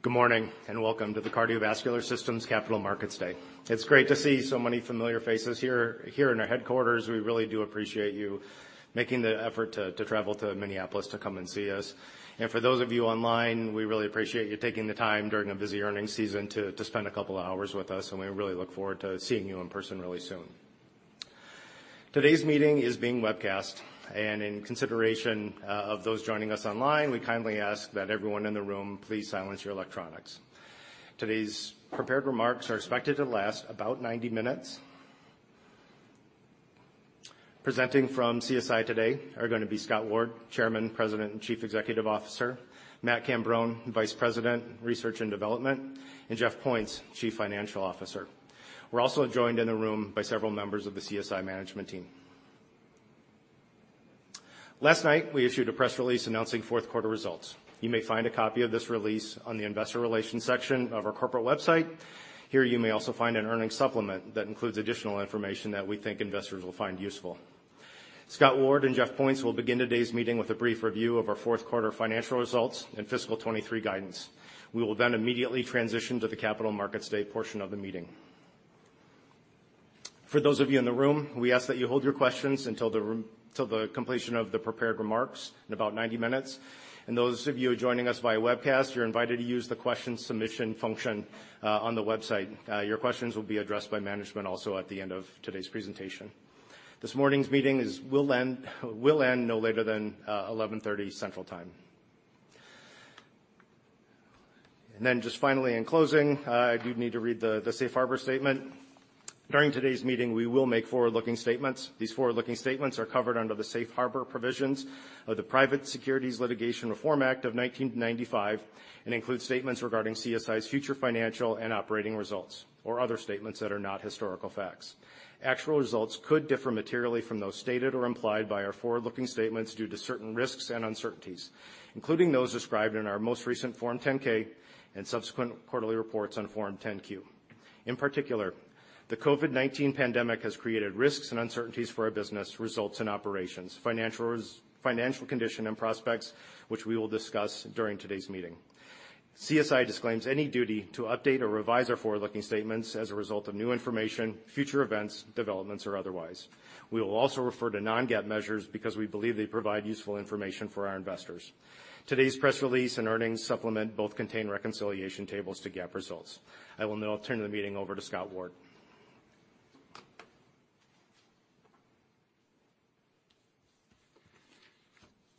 Good morning, and welcome to the Cardiovascular Systems Capital Markets Day. It's great to see so many familiar faces here in our headquarters. We really do appreciate you making the effort to travel to Minneapolis to come and see us. For those of you online, we really appreciate you taking the time during a busy earnings season to spend a couple of hours with us, and we really look forward to seeing you in person really soon. Today's meeting is being webcast, and in consideration of those joining us online, we kindly ask that everyone in the room please silence your electronics. Today's prepared remarks are expected to last about 90 minutes. Presenting from CSI today are gonna be Scott Ward, Chairman, President, and Chief Executive Officer, Matt Cambron, Vice President, Research and Development, and Jeff Points, Chief Financial Officer. We're also joined in the room by several members of the CSI management team. Last night, we issued a press release announcing fourth quarter results. You may find a copy of this release on the investor relations section of our corporate website. Here, you may also find an earnings supplement that includes additional information that we think investors will find useful. Scott Ward and Jeff Points will begin today's meeting with a brief review of our fourth quarter financial results and fiscal 2023 guidance. We will then immediately transition to the capital markets day portion of the meeting. For those of you in the room, we ask that you hold your questions until the completion of the prepared remarks in about 90 minutes. Those of you joining us via webcast, you're invited to use the question submission function on the website. Your questions will be addressed by management also at the end of today's presentation. This morning's meeting will end no later than 11:30 Central Time. Then just finally, in closing, you'd need to read the safe harbor statement. During today's meeting, we will make forward-looking statements. These forward-looking statements are covered under the safe harbor provisions of the Private Securities Litigation Reform Act of 1995 and include statements regarding CSI's future financial and operating results or other statements that are not historical facts. Actual results could differ materially from those stated or implied by our forward-looking statements due to certain risks and uncertainties, including those described in our most recent Form 10-K and subsequent quarterly reports on Form 10-Q. In particular, the COVID-19 pandemic has created risks and uncertainties for our business, results in operations, financial res. Financial condition and prospects, which we will discuss during today's meeting. CSI disclaims any duty to update or revise our forward-looking statements as a result of new information, future events, developments, or otherwise. We will also refer to non-GAAP measures because we believe they provide useful information for our investors. Today's press release and earnings supplement both contain reconciliation tables to GAAP results. I will now turn the meeting over to Scott Ward.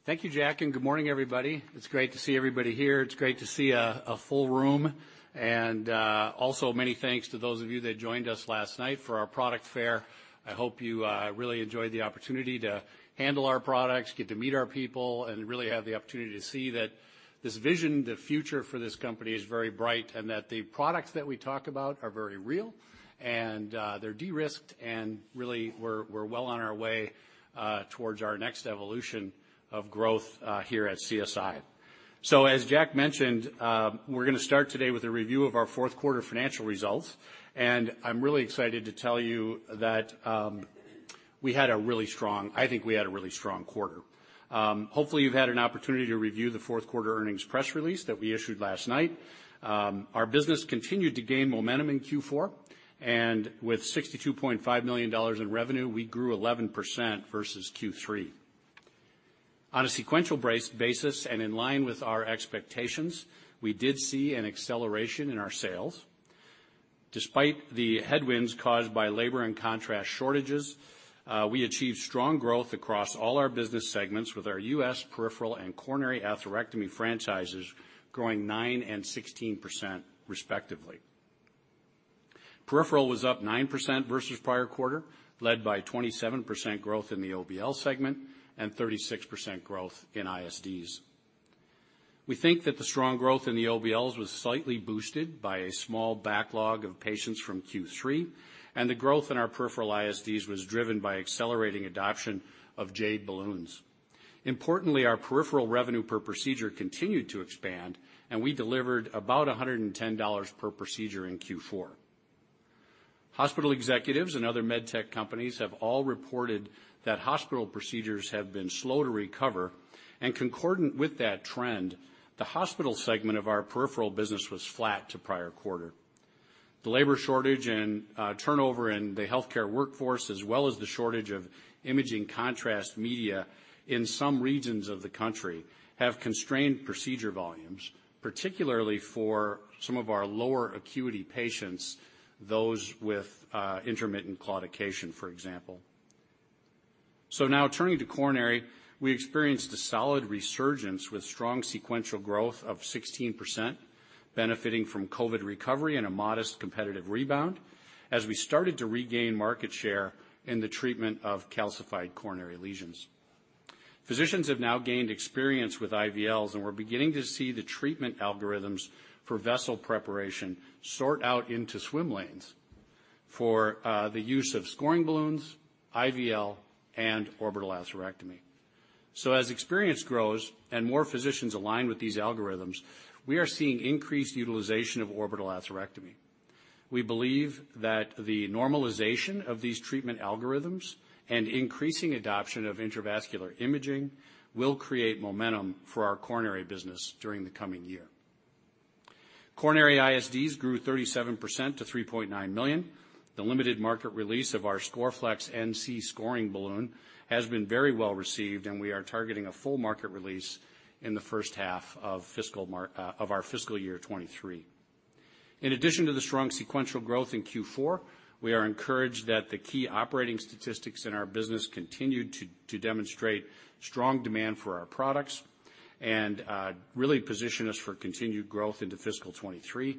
Thank you, Jack, and good morning, everybody. It's great to see everybody here. It's great to see a full room. Also many thanks to those of you that joined us last night for our product fair. I hope you really enjoyed the opportunity to handle our products, get to meet our people, and really have the opportunity to see that this vision, the future for this company is very bright and that the products that we talk about are very real, and they're de-risked, and really we're well on our way towards our next evolution of growth here at CSI. As Jack mentioned, we're gonna start today with a review of our fourth quarter financial results, and I'm really excited to tell you that we had a really strong quarter. I think we had a really strong quarter. Hopefully, you've had an opportunity to review the fourth quarter earnings press release that we issued last night. Our business continued to gain momentum in Q4, and with $62.5 million in revenue, we grew 11% versus Q3. On a sequential basis and in line with our expectations, we did see an acceleration in our sales. Despite the headwinds caused by labor and contrast shortages, we achieved strong growth across all our business segments with our U.S. peripheral and coronary atherectomy franchises growing 9% and 16% respectively. Peripheral was up 9% versus prior quarter, led by 27% growth in the OBL segment and 36% growth in ISDs. We think that the strong growth in the OBLs was slightly boosted by a small backlog of patients from Q3, and the growth in our peripheral ISDs was driven by accelerating adoption of JADE balloons. Importantly, our peripheral revenue per procedure continued to expand, and we delivered about $110 per procedure in Q4. Hospital executives and other med tech companies have all reported that hospital procedures have been slow to recover. Concordant with that trend, the hospital segment of our peripheral business was flat to prior quarter. The labor shortage and turnover in the healthcare workforce, as well as the shortage of imaging contrast media in some regions of the country, have constrained procedure volumes, particularly for some of our lower acuity patients, those with intermittent claudication, for example. Now turning to coronary, we experienced a solid resurgence with strong sequential growth of 16%, benefiting from COVID recovery and a modest competitive rebound as we started to regain market share in the treatment of calcified coronary lesions. Physicians have now gained experience with IVLs, and we're beginning to see the treatment algorithms for vessel preparation sort out into swim lanes for the use of scoring balloons, IVL, and orbital atherectomy. As experience grows and more physicians align with these algorithms, we are seeing increased utilization of orbital atherectomy. We believe that the normalization of these treatment algorithms and increasing adoption of intravascular imaging will create momentum for our coronary business during the coming year. Coronary ISDs grew 37% to $3.9 million. The limited market release of our Scoreflex NC scoring balloon has been very well received, and we are targeting a full market release in the first half of fiscal year 2023. In addition to the strong sequential growth in Q4, we are encouraged that the key operating statistics in our business continued to demonstrate strong demand for our products and really position us for continued growth into fiscal 2023.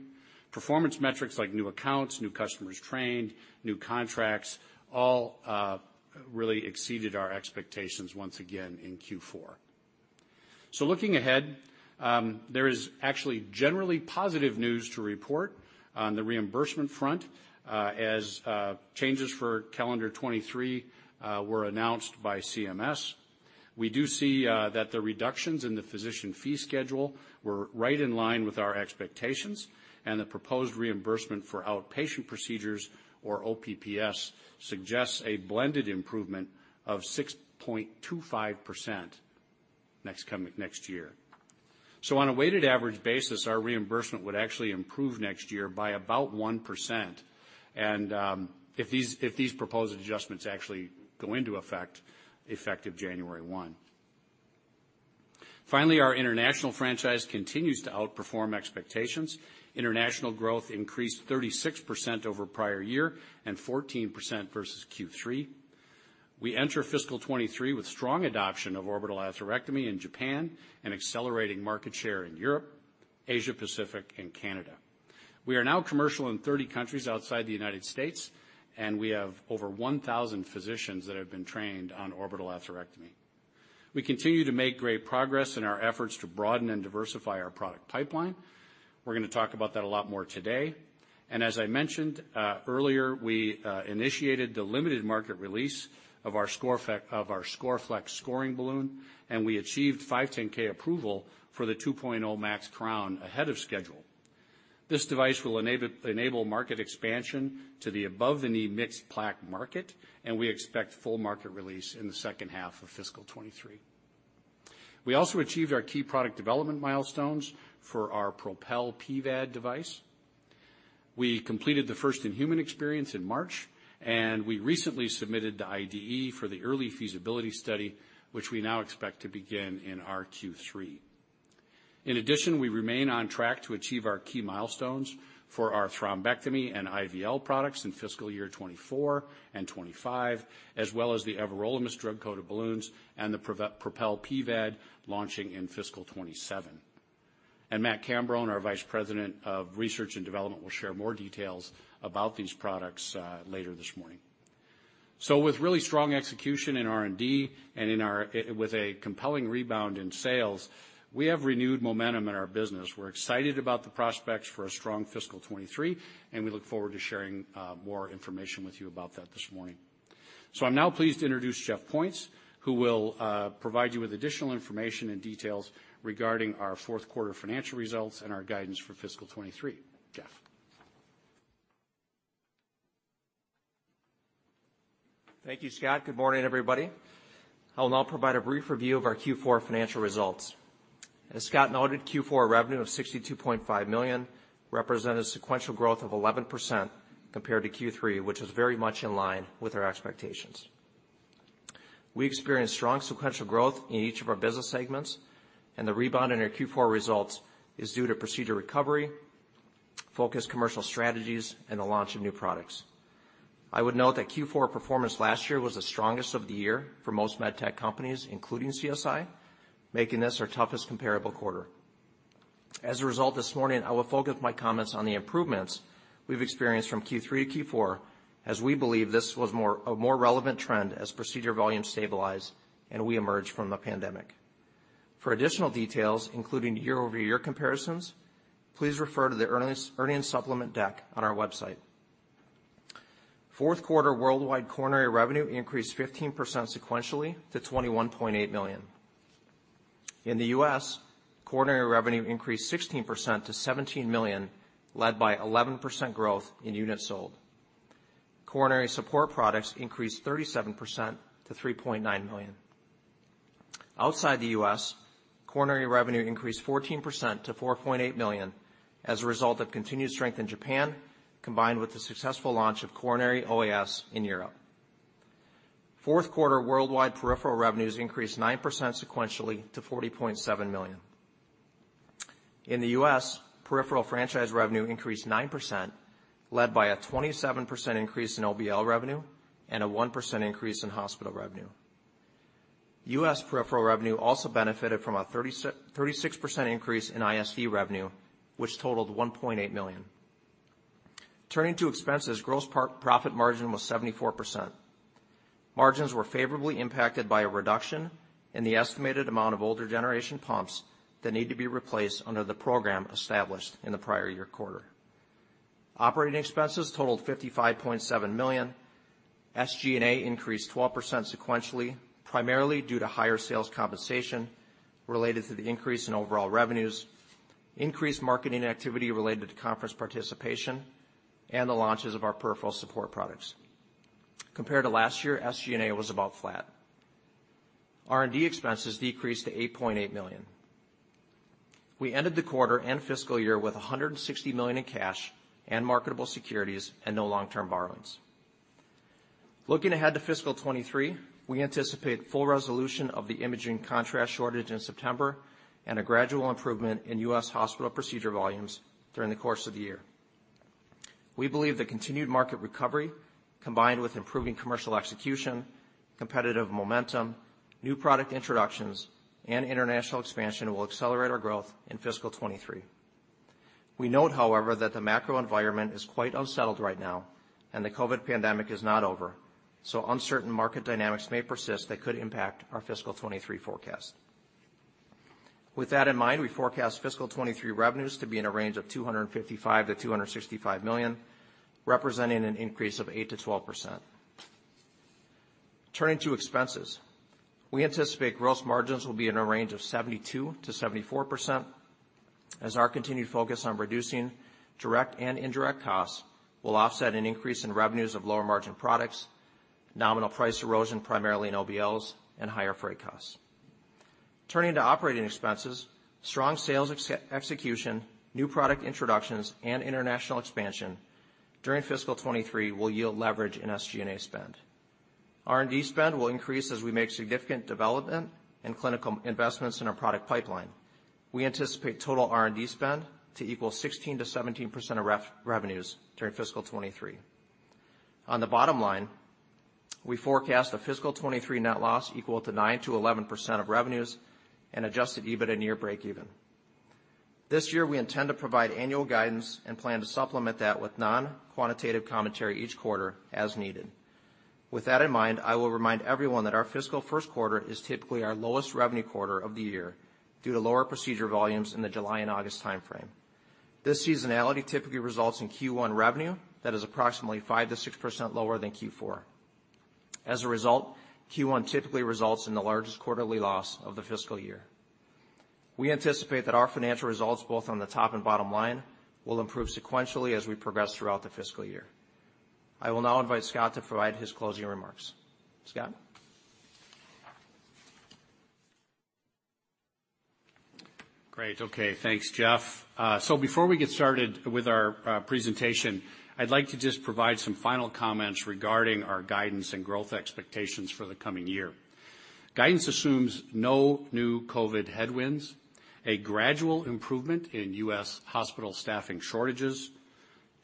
Performance metrics like new accounts, new customers trained, new contracts, all really exceeded our expectations once again in Q4. Looking ahead, there is actually generally positive news to report on the reimbursement front, as changes for calendar 2023 were announced by CMS. We do see that the reductions in the physician fee schedule were right in line with our expectations and the proposed reimbursement for outpatient procedures, or OPPS, suggests a blended improvement of 6.25% next year. On a weighted average basis, our reimbursement would actually improve next year by about 1% and, if these proposed adjustments actually go into effect effective January 1. Finally, our international franchise continues to outperform expectations. International growth increased 36% over prior year and 14% versus Q3. We enter fiscal 2023 with strong adoption of orbital atherectomy in Japan and accelerating market share in Europe, Asia Pacific, and Canada. We are now commercial in 30 countries outside the United States, and we have over 1,000 physicians that have been trained on orbital atherectomy. We continue to make great progress in our efforts to broaden and diversify our product pipeline. We're gonna talk about that a lot more today, and as I mentioned earlier, we initiated the limited market release of our Scoreflex scoring balloon, and we achieved 510(k) approval for the 2.00 Max Crown ahead of schedule. This device will enable market expansion to the above-the-knee mixed plaque market, and we expect full market release in the second half of fiscal 2023. We also achieved our key product development milestones for our Propel pVAD device. We completed the first in-human experience in March, and we recently submitted the IDE for the early feasibility study, which we now expect to begin in our Q3. In addition, we remain on track to achieve our key milestones for our thrombectomy and IVL products in fiscal year 2024 and 2025, as well as the everolimus drug-coated balloons and the Propel pVAD launching in fiscal 2027. Matt Cambron, our Vice President of Research and Development, will share more details about these products later this morning. With really strong execution in R&D and with a compelling rebound in sales, we have renewed momentum in our business. We're excited about the prospects for a strong fiscal 2023, and we look forward to sharing more information with you about that this morning. I'm now pleased to introduce Jeff Points, who will provide you with additional information and details regarding our fourth quarter financial results and our guidance for fiscal 2023. Jeff? Thank you, Scott. Good morning, everybody. I'll now provide a brief review of our Q4 financial results. As Scott noted, Q4 revenue of $62.5 million represented sequential growth of 11% compared to Q3, which is very much in line with our expectations. We experienced strong sequential growth in each of our business segments, and the rebound in our Q4 results is due to procedure recovery, focused commercial strategies, and the launch of new products. I would note that Q4 performance last year was the strongest of the year for most med tech companies, including CSI, making this our toughest comparable quarter. As a result, this morning I will focus my comments on the improvements we've experienced from Q3 to Q4 as we believe this was a more relevant trend as procedure volumes stabilize and we emerge from the pandemic. For additional details, including year-over-year comparisons, please refer to the earnings supplement deck on our website. Fourth quarter worldwide coronary revenue increased 15% sequentially to $21.8 million. In the U.S., coronary revenue increased 16% to $17 million, led by 11% growth in units sold. Coronary support products increased 37% to $3.9 million. Outside the U.S., coronary revenue increased 14% to $4.8 million as a result of continued strength in Japan, combined with the successful launch of coronary OAS in Europe. Fourth quarter worldwide peripheral revenues increased 9% sequentially to $40.7 million. In the U.S., peripheral franchise revenue increased 9%, led by a 27% increase in OBL revenue and a 1% increase in hospital revenue. US peripheral revenue also benefited from a 36% increase in ISV revenue, which totaled $1.8 million. Turning to expenses, gross profit margin was 74%. Margins were favorably impacted by a reduction in the estimated amount of older generation pumps that need to be replaced under the program established in the prior year quarter. Operating expenses totaled $55.7 million. SG&A increased 12% sequentially, primarily due to higher sales compensation related to the increase in overall revenues, increased marketing activity related to conference participation, and the launches of our peripheral support products. Compared to last year, SG&A was about flat. R&D expenses decreased to $8.8 million. We ended the quarter and fiscal year with $160 million in cash and marketable securities and no long-term borrowings. Looking ahead to fiscal 2023, we anticipate full resolution of the imaging contrast shortage in September and a gradual improvement in U.S. hospital procedure volumes during the course of the year. We believe the continued market recovery, combined with improving commercial execution, competitive momentum, new product introductions, and international expansion will accelerate our growth in fiscal 2023. We note, however, that the macro environment is quite unsettled right now, and the COVID pandemic is not over. Uncertain market dynamics may persist that could impact our fiscal 2023 forecast. With that in mind, we forecast fiscal 2023 revenues to be in a range of $255 million-$265 million, representing an increase of 8%-12%. Turning to expenses, we anticipate gross margins will be in a range of 72%-74%, as our continued focus on reducing direct and indirect costs will offset an increase in revenues of lower margin products, nominal price erosion primarily in OBLs, and higher freight costs. Turning to operating expenses, strong sales execution, new product introductions, and international expansion during fiscal 2023 will yield leverage in SG&A spend. R&D spend will increase as we make significant development and clinical investments in our product pipeline. We anticipate total R&D spend to equal 16%-17% of revenues during fiscal 2023. On the bottom line, we forecast a fiscal 2023 net loss equal to 9%-11% of revenues and adjusted EBITDA near breakeven. This year, we intend to provide annual guidance and plan to supplement that with non-quantitative commentary each quarter as needed. With that in mind, I will remind everyone that our fiscal first quarter is typically our lowest revenue quarter of the year due to lower procedure volumes in the July and August timeframe. This seasonality typically results in Q1 revenue that is approximately 5%-6% lower than Q4. As a result, Q1 typically results in the largest quarterly loss of the fiscal year. We anticipate that our financial results, both on the top and bottom line, will improve sequentially as we progress throughout the fiscal year. I will now invite Scott to provide his closing remarks. Scott? Great. Okay. Thanks, Jeff. Before we get started with our presentation, I'd like to just provide some final comments regarding our guidance and growth expectations for the coming year. Guidance assumes no new COVID headwinds, a gradual improvement in U.S. hospital staffing shortages,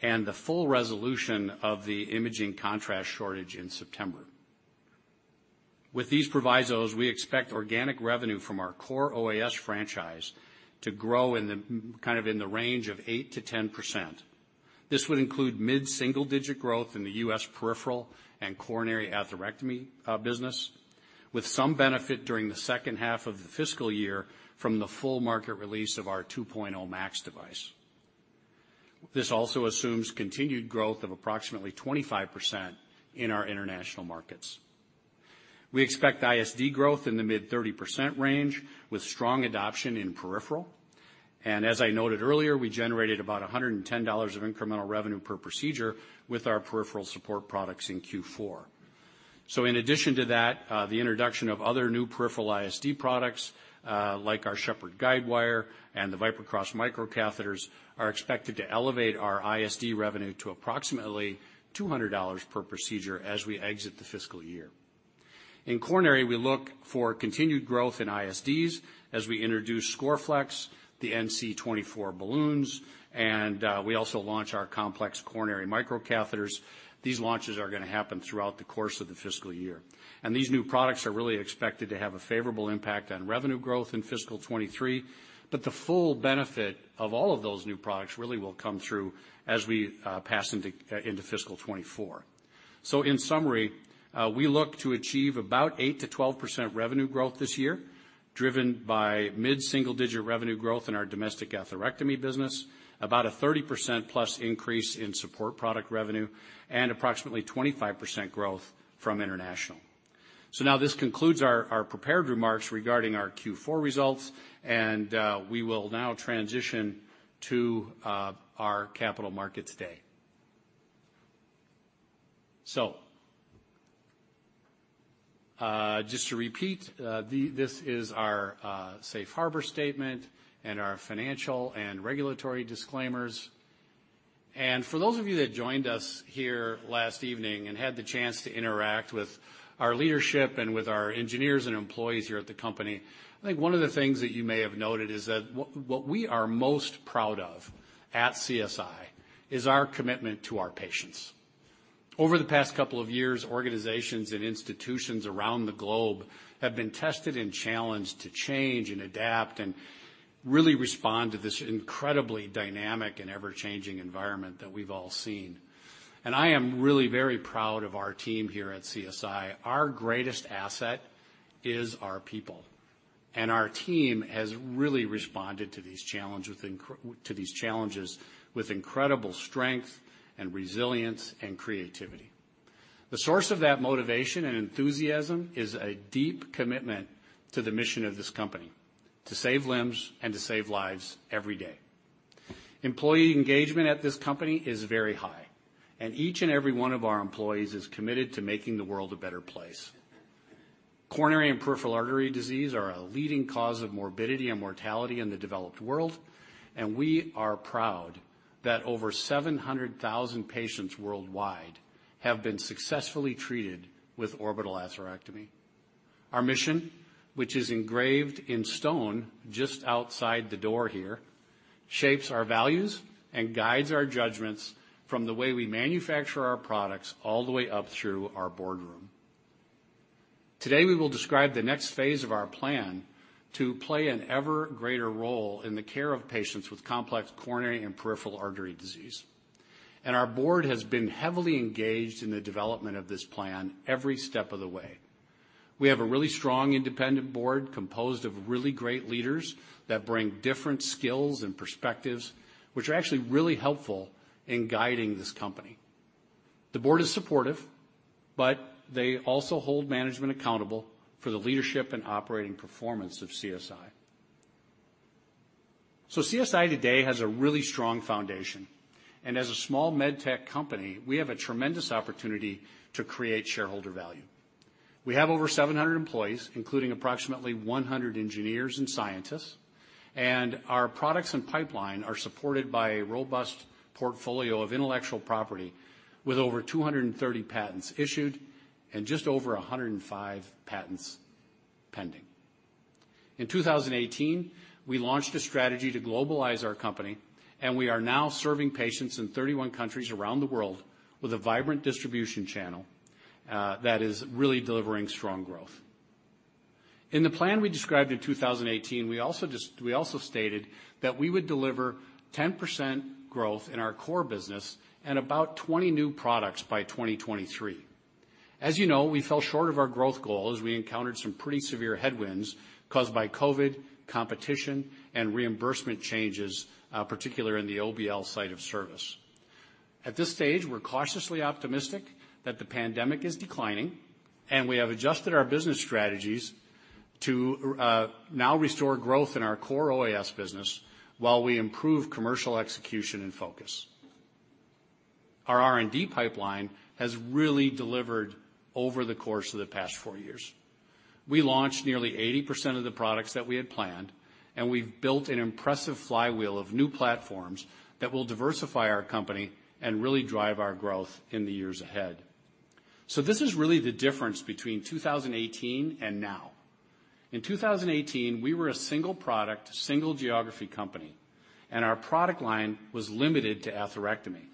and the full resolution of the imaging contrast shortage in September. With these provisos, we expect organic revenue from our core OAS franchise to grow kind of in the range of 8%-10%. This would include mid-single digit growth in the U.S. peripheral and coronary atherectomy business, with some benefit during the second half of the fiscal year from the full market release of our 2.0 Max device. This also assumes continued growth of approximately 25% in our international markets. We expect ISD growth in the mid-30% range with strong adoption in peripheral. As I noted earlier, we generated about $110 of incremental revenue per procedure with our peripheral support products in Q4. In addition to that, the introduction of other new peripheral ISD products, like our Shepherd Guidewire and the ViperCross microcatheters, are expected to elevate our ISD revenue to approximately $200 per procedure as we exit the fiscal year. In coronary, we look for continued growth in ISDs as we introduce Scoreflex, the NC 24 balloons, and we also launch our complex coronary microcatheters. These launches are gonna happen throughout the course of the fiscal year. These new products are really expected to have a favorable impact on revenue growth in fiscal 2023, but the full benefit of all of those new products really will come through as we pass into fiscal 2024. In summary, we look to achieve about 8%-12% revenue growth this year, driven by mid-single digit revenue growth in our domestic atherectomy business, about a 30%+ increase in support product revenue, and approximately 25% growth from international. This concludes our prepared remarks regarding our Q4 results, and we will now transition to our Capital Markets Day. Just to repeat, this is our safe harbor statement and our financial and regulatory disclaimers. For those of you that joined us here last evening and had the chance to interact with our leadership and with our engineers and employees here at the company, I think one of the things that you may have noted is that what we are most proud of at CSI is our commitment to our patients. Over the past couple of years, organizations and institutions around the globe have been tested and challenged to change and adapt and really respond to this incredibly dynamic and ever-changing environment that we've all seen. I am really very proud of our team here at CSI. Our greatest asset is our people. Our team has really responded to these challenges with incredible strength and resilience and creativity. The source of that motivation and enthusiasm is a deep commitment to the mission of this company, to save limbs and to save lives every day. Employee engagement at this company is very high, and each and every one of our employees is committed to making the world a better place. Coronary and peripheral artery disease are a leading cause of morbidity and mortality in the developed world, and we are proud that over 700,000 patients worldwide have been successfully treated with orbital atherectomy. Our mission, which is engraved in stone just outside the door here, shapes our values and guides our judgments from the way we manufacture our products all the way up through our boardroom. Today, we will describe the next phase of our plan to play an ever greater role in the care of patients with complex coronary and peripheral artery disease, and our board has been heavily engaged in the development of this plan every step of the way. We have a really strong independent board composed of really great leaders that bring different skills and perspectives, which are actually really helpful in guiding this company. The board is supportive, but they also hold management accountable for the leadership and operating performance of CSI. CSI today has a really strong foundation, and as a small med tech company, we have a tremendous opportunity to create shareholder value. We have over 700 employees, including approximately 100 engineers and scientists, and our products and pipeline are supported by a robust portfolio of intellectual property with over 230 patents issued and just over 105 patents pending. In 2018, we launched a strategy to globalize our company, and we are now serving patients in 31 countries around the world with a vibrant distribution channel that is really delivering strong growth. In the plan we described in 2018, we also just... We also stated that we would deliver 10% growth in our core business and about 20 new products by 2023. As you know, we fell short of our growth goal as we encountered some pretty severe headwinds caused by COVID, competition, and reimbursement changes, particularly in the OBL site of service. At this stage, we're cautiously optimistic that the pandemic is declining, and we have adjusted our business strategies to now restore growth in our core OAS business while we improve commercial execution and focus. Our R&D pipeline has really delivered over the course of the past 4 years. We launched nearly 80% of the products that we had planned, and we've built an impressive flywheel of new platforms that will diversify our company and really drive our growth in the years ahead. This is really the difference between 2018 and now. In 2018, we were a single product, single geography company, and our product line was limited to atherectomy.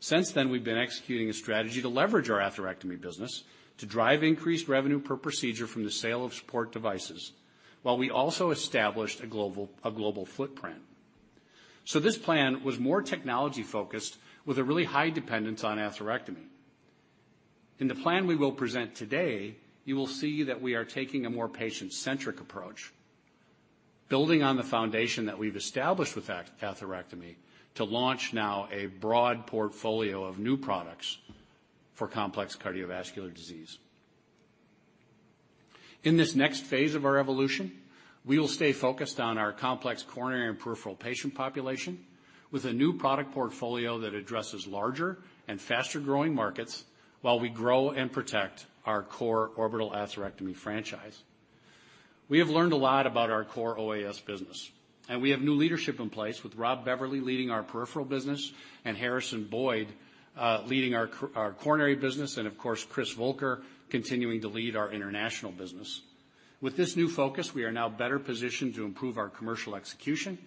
Since then, we've been executing a strategy to leverage our atherectomy business to drive increased revenue per procedure from the sale of support devices, while we also established a global footprint. This plan was more technology-focused with a really high dependence on atherectomy. In the plan we will present today, you will see that we are taking a more patient-centric approach, building on the foundation that we've established with atherectomy to launch now a broad portfolio of new products for complex cardiovascular disease. In this next phase of our evolution, we will stay focused on our complex coronary and peripheral patient population with a new product portfolio that addresses larger and faster-growing markets while we grow and protect our core orbital atherectomy franchise. We have learned a lot about our core OAS business, and we have new leadership in place with Rob Beverly leading our peripheral business and Harrison Boyd leading our coronary business, and of course, Chris Voelker continuing to lead our international business. With this new focus, we are now better positioned to improve our commercial execution,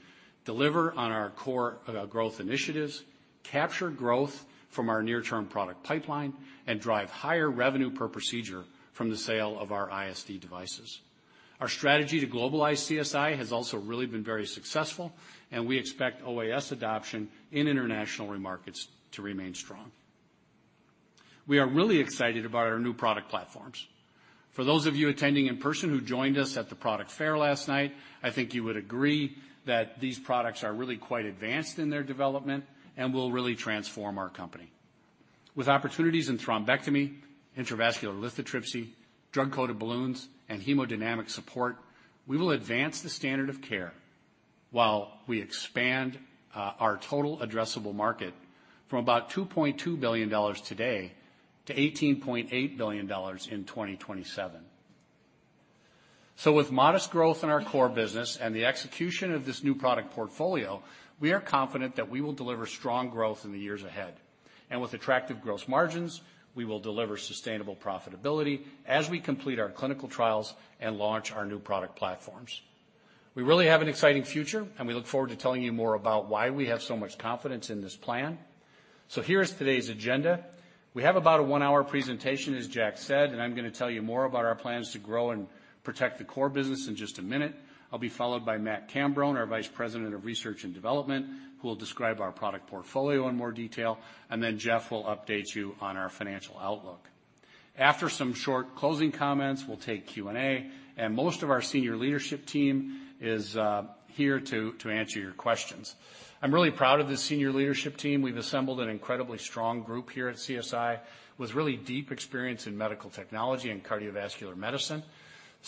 deliver on our core growth initiatives, capture growth from our near-term product pipeline, and drive higher revenue per procedure from the sale of our CSI devices. Our strategy to globalize CSI has also really been very successful, and we expect OAS adoption in international markets to remain strong. We are really excited about our new product platforms. For those of you attending in person who joined us at the product fair last night, I think you would agree that these products are really quite advanced in their development and will really transform our company. With opportunities in thrombectomy, intravascular lithotripsy, drug-coated balloons, and hemodynamic support, we will advance the standard of care while we expand our total addressable market from about $2.2 billion today to $18.8 billion in 2027. With modest growth in our core business and the execution of this new product portfolio, we are confident that we will deliver strong growth in the years ahead. With attractive growth margins, we will deliver sustainable profitability as we complete our clinical trials and launch our new product platforms. We really have an exciting future, and we look forward to telling you more about why we have so much confidence in this plan. Here's today's agenda. We have about a 1-hour presentation, as Jack said, and I'm gonna tell you more about our plans to grow and protect the core business in just a minute. I'll be followed by Matt Cambron, our Vice President of Research and Development, who will describe our product portfolio in more detail, and then Jeff will update you on our financial outlook. After some short closing comments, we'll take Q&A, and most of our senior leadership team is here to answer your questions. I'm really proud of the senior leadership team. We've assembled an incredibly strong group here at CSI, with really deep experience in medical technology and cardiovascular medicine.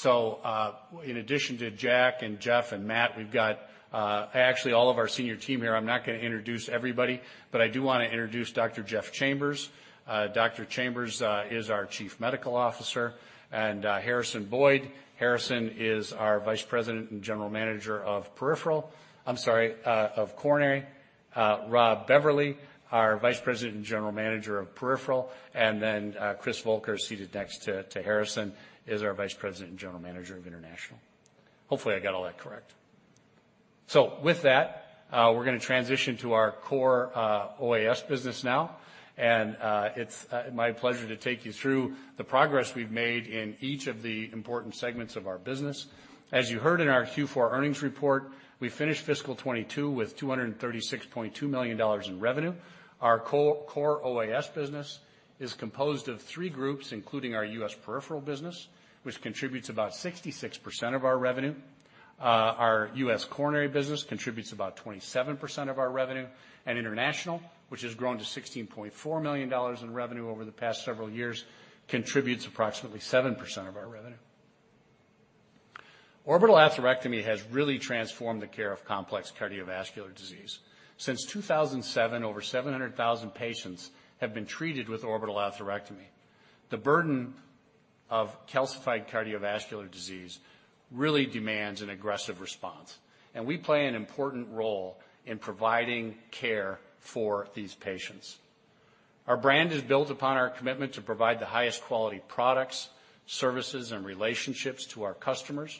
In addition to Jack and Jeff and Matt, we've got, actually all of our senior team here. I'm not gonna introduce everybody, but I do wanna introduce Dr. Jeff Chambers. Dr. Chambers is our Chief Medical Officer. Harrison Boyd. Harrison is our Vice President and General Manager of Coronary. Rob Beverly, our Vice President and General Manager of Peripheral. Chris Voelker, seated next to Harrison, is our Vice President and General Manager of International. Hopefully I got all that correct. With that, we're gonna transition to our core OAS business now. It's my pleasure to take you through the progress we've made in each of the important segments of our business. As you heard in our Q4 earnings report, we finished fiscal 2022 with $236.2 million in revenue. Our core OAS business is composed of three groups, including our U.S. Peripheral business, which contributes about 66% of our revenue. Our U.S. Coronary business contributes about 27% of our revenue. International, which has grown to $16.4 million in revenue over the past several years, contributes approximately 7% of our revenue. Orbital atherectomy has really transformed the care of complex cardiovascular disease. Since 2007, over 700,000 patients have been treated with orbital atherectomy. The burden of calcified cardiovascular disease really demands an aggressive response, and we play an important role in providing care for these patients. Our brand is built upon our commitment to provide the highest quality products, services, and relationships to our customers,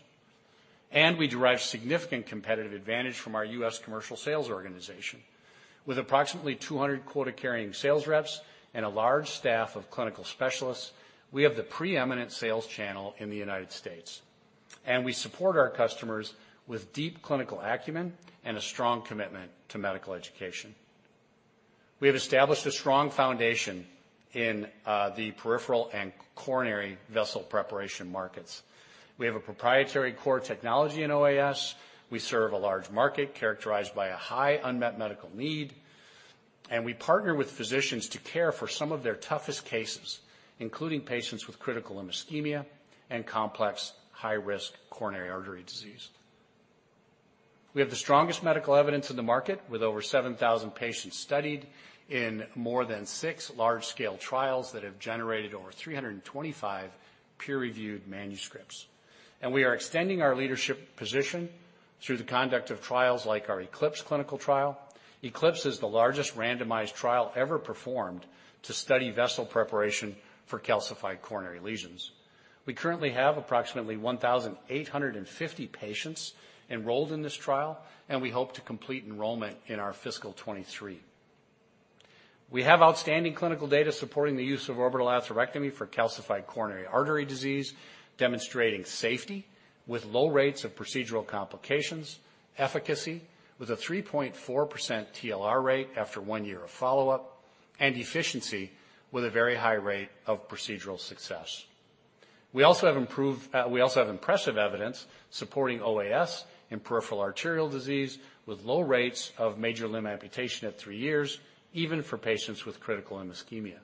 and we derive significant competitive advantage from our U.S. commercial sales organization. With approximately 200 quota-carrying sales reps and a large staff of clinical specialists, we have the preeminent sales channel in the United States, and we support our customers with deep clinical acumen and a strong commitment to medical education. We have established a strong foundation in the peripheral and coronary vessel preparation markets. We have a proprietary core technology in OAS. We serve a large market characterized by a high unmet medical need. We partner with physicians to care for some of their toughest cases, including patients with critical limb ischemia and complex high-risk coronary artery disease. We have the strongest medical evidence in the market, with over 7,000 patients studied in more than 6 large-scale trials that have generated over 325 peer-reviewed manuscripts. We are extending our leadership position through the conduct of trials like our ECLIPSE clinical trial. ECLIPSE is the largest randomized trial ever performed to study vessel preparation for calcified coronary lesions. We currently have approximately 1,850 patients enrolled in this trial, and we hope to complete enrollment in our fiscal 2023. We have outstanding clinical data supporting the use of orbital atherectomy for calcified coronary artery disease, demonstrating safety with low rates of procedural complications, efficacy with a 3.4% TLR rate after one year of follow-up, and efficiency with a very high rate of procedural success. We also have improved. We also have impressive evidence supporting OAS in peripheral arterial disease with low rates of major limb amputation at three years, even for patients with critical limb ischemia.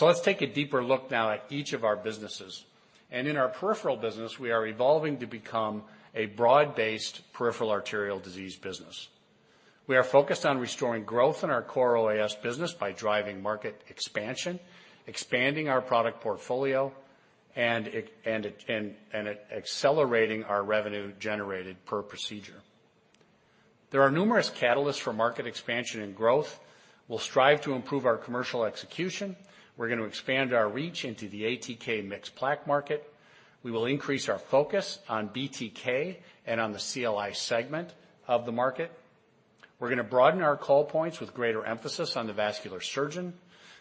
Let's take a deeper look now at each of our businesses. In our peripheral business, we are evolving to become a broad-based peripheral arterial disease business. We are focused on restoring growth in our core OAS business by driving market expansion, expanding our product portfolio, and accelerating our revenue generated per procedure. There are numerous catalysts for market expansion and growth. We'll strive to improve our commercial execution. We're gonna expand our reach into the ATK mixed plaque market. We will increase our focus on BTK and on the CLI segment of the market. We're gonna broaden our call points with greater emphasis on the vascular surgeon,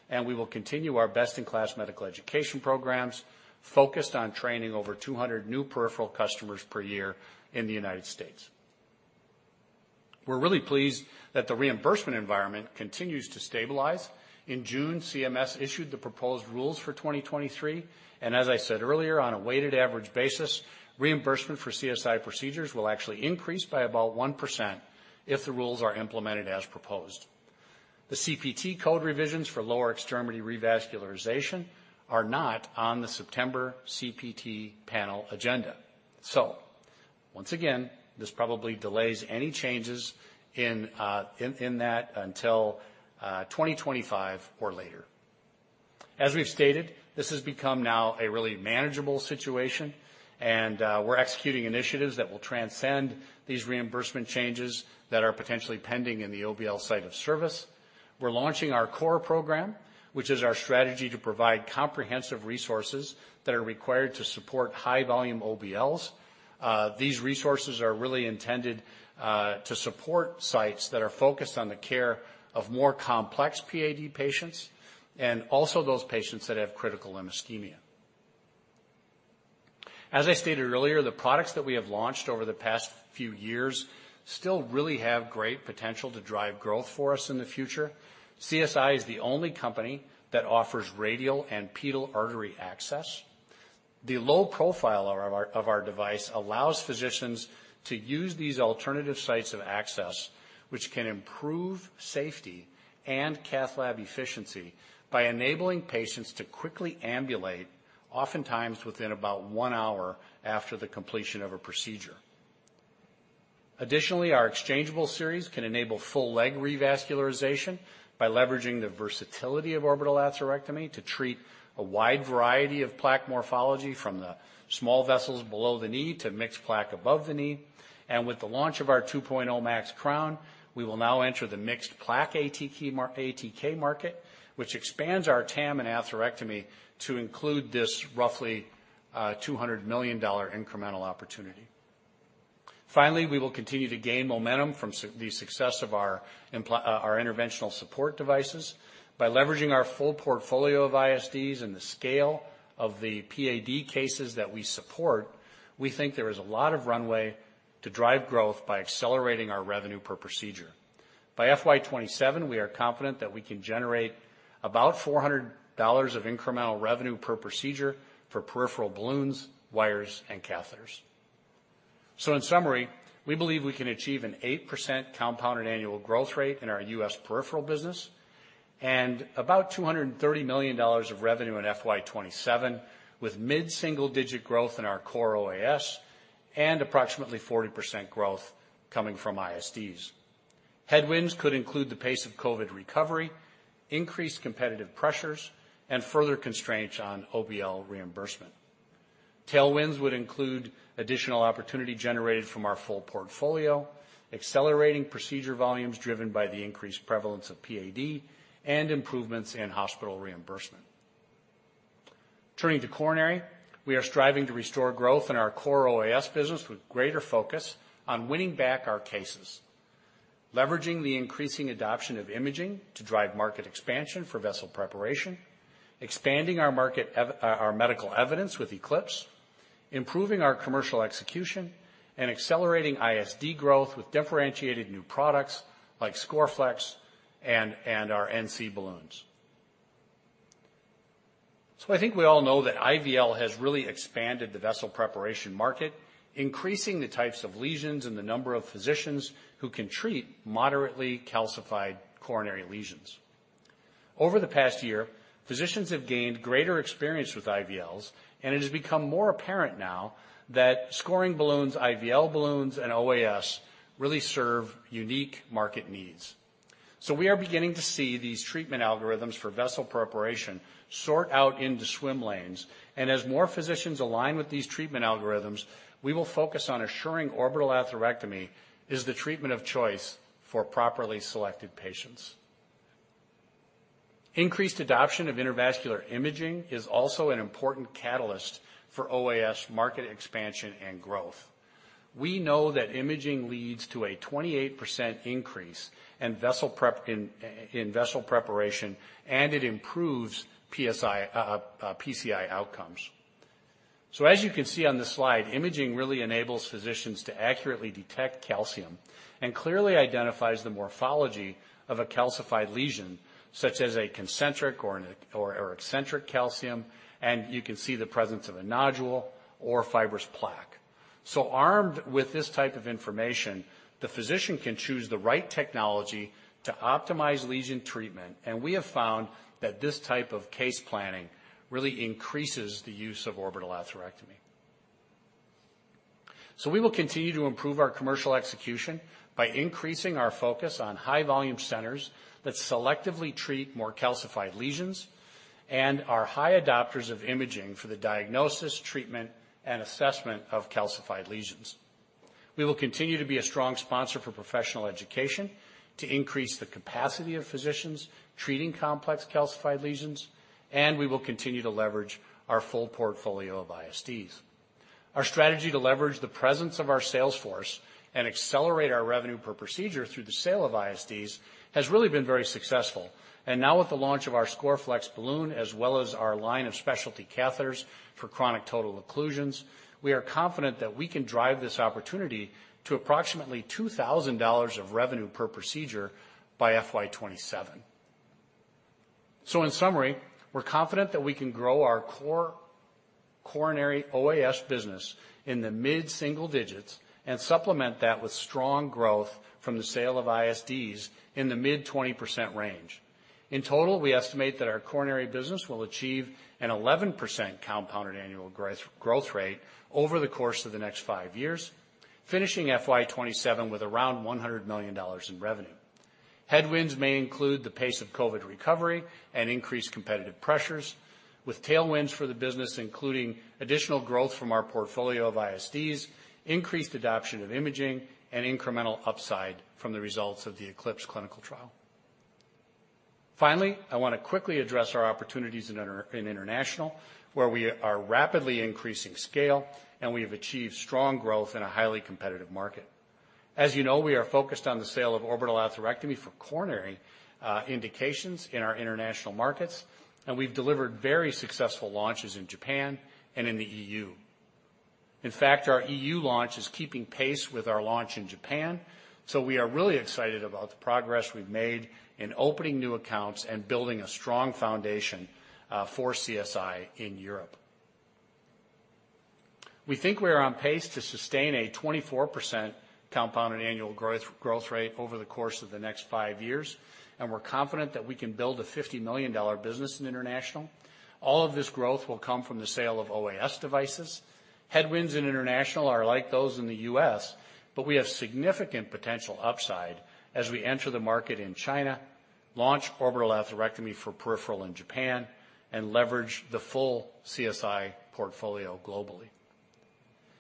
and we will continue our best-in-class medical education programs focused on training over 200 new peripheral customers per year in the United States. We're really pleased that the reimbursement environment continues to stabilize. In June, CMS issued the proposed rules for 2023, and as I said earlier, on a weighted average basis, reimbursement for CSI procedures will actually increase by about 1% if the rules are implemented as proposed. The CPT code revisions for lower extremity revascularization are not on the September CPT panel agenda. Once again, this probably delays any changes in that until 2025 or later. As we've stated, this has become now a really manageable situation, and we're executing initiatives that will transcend these reimbursement changes that are potentially pending in the OBL site of service. We're launching our CORE program, which is our strategy to provide comprehensive resources that are required to support high-volume OBLs. These resources are really intended to support sites that are focused on the care of more complex PAD patients and also those patients that have critical limb ischemia. As I stated earlier, the products that we have launched over the past few years still really have great potential to drive growth for us in the future. CSI is the only company that offers radial and pedal artery access. The low profile of our device allows physicians to use these alternative sites of access, which can improve safety and cath lab efficiency by enabling patients to quickly ambulate, oftentimes within about one hour after the completion of a procedure. Additionally, our exchangeable series can enable full leg revascularization by leveraging the versatility of orbital atherectomy to treat a wide variety of plaque morphology from the small vessels below the knee to mixed plaque above the knee. With the launch of our 2.00 Max Crown, we will now enter the mixed plaque ATK market, which expands our TAM and atherectomy to include this roughly $200 million incremental opportunity. Finally, we will continue to gain momentum from the success of our interventional support devices by leveraging our full portfolio of ISDs and the scale of the PAD cases that we support. We think there is a lot of runway to drive growth by accelerating our revenue per procedure. By FY 2027, we are confident that we can generate about $400 of incremental revenue per procedure for peripheral balloons, wires and catheters. In summary, we believe we can achieve an 8% compounded annual growth rate in our U.S. peripheral business and about $230 million of revenue in FY 2027, with mid-single-digit growth in our core OAS and approximately 40% growth coming from ISDs. Headwinds could include the pace of COVID recovery, increased competitive pressures, and further constraints on OBL reimbursement. Tailwinds would include additional opportunity generated from our full portfolio, accelerating procedure volumes driven by the increased prevalence of PAD and improvements in hospital reimbursement. Turning to coronary, we are striving to restore growth in our core OAS business with greater focus on winning back our cases, leveraging the increasing adoption of imaging to drive market expansion for vessel preparation, expanding our medical evidence with ECLIPSE, improving our commercial execution, and accelerating ISR growth with differentiated new products like Scoreflex and our NC balloons. I think we all know that IVL has really expanded the vessel preparation market, increasing the types of lesions and the number of physicians who can treat moderately calcified coronary lesions. Over the past year, physicians have gained greater experience with IVLs, and it has become more apparent now that scoring balloons, IVL balloons, and OAS really serve unique market needs. We are beginning to see these treatment algorithms for vessel preparation sort out into swim lanes. As more physicians align with these treatment algorithms, we will focus on assuring orbital atherectomy is the treatment of choice for properly selected patients. Increased adoption of intravascular imaging is also an important catalyst for OAS market expansion and growth. We know that imaging leads to a 28% increase in vessel preparation, and it improves PCI outcomes. As you can see on the slide, imaging really enables physicians to accurately detect calcium and clearly identifies the morphology of a calcified lesion, such as a concentric or eccentric calcium, and you can see the presence of a nodule or fibrous plaque. Armed with this type of information, the physician can choose the right technology to optimize lesion treatment. We have found that this type of case planning really increases the use of orbital atherectomy. We will continue to improve our commercial execution by increasing our focus on high volume centers that selectively treat more calcified lesions and are high adopters of imaging for the diagnosis, treatment, and assessment of calcified lesions. We will continue to be a strong sponsor for professional education to increase the capacity of physicians treating complex calcified lesions, and we will continue to leverage our full portfolio of ISDs. Our strategy to leverage the presence of our sales force and accelerate our revenue per procedure through the sale of ISDs has really been very successful. Now with the launch of our Scoreflex balloon, as well as our line of specialty catheters for chronic total occlusions, we are confident that we can drive this opportunity to approximately $2,000 of revenue per procedure by FY 2027. In summary, we're confident that we can grow our core coronary OAS business in the mid-single digits and supplement that with strong growth from the sale of ISDs in the mid-20% range. In total, we estimate that our coronary business will achieve an 11% compounded annual growth rate over the course of the next 5 years, finishing FY 2027 with around $100 million in revenue. Headwinds may include the pace of COVID-19 recovery and increased competitive pressures with tailwinds for the business, including additional growth from our portfolio of ISDs, increased adoption of imaging and incremental upside from the results of the ECLIPSE clinical trial. Finally, I want to quickly address our opportunities in international, where we are rapidly increasing scale, and we have achieved strong growth in a highly competitive market. As you know, we are focused on the sale of orbital atherectomy for coronary indications in our international markets, and we've delivered very successful launches in Japan and in the E.U. In fact, our E.U. launch is keeping pace with our launch in Japan. We are really excited about the progress we've made in opening new accounts and building a strong foundation for CSI in Europe. We think we are on pace to sustain a 24% compounded annual growth rate over the course of the next five years, and we're confident that we can build a $50 million business in international. All of this growth will come from the sale of OAS devices. Headwinds in international are like those in the U.S., but we have significant potential upside as we enter the market in China, launch orbital atherectomy for peripheral in Japan and leverage the full CSI portfolio globally.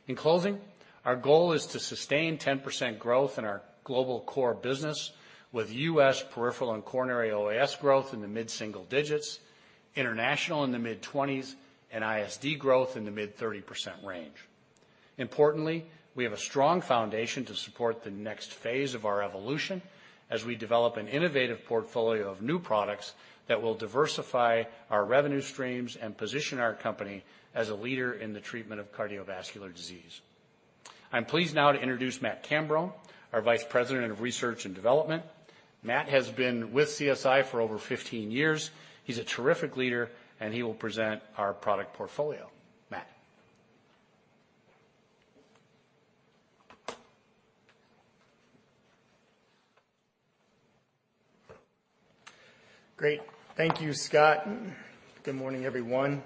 In closing, our goal is to sustain 10% growth in our global core business with U.S. peripheral and coronary OAS growth in the mid-single digits, international in the mid-twenties, and ISD growth in the mid-30% range. Importantly, we have a strong foundation to support the next phase of our evolution as we develop an innovative portfolio of new products that will diversify our revenue streams and position our company as a leader in the treatment of cardiovascular disease. I'm pleased now to introduce Matt Cambron, our Vice President of Research and Development. Matt has been with CSI for over 15 years. He's a terrific leader, and he will present our product portfolio. Matt. Great. Thank you, Scott. Good morning, everyone.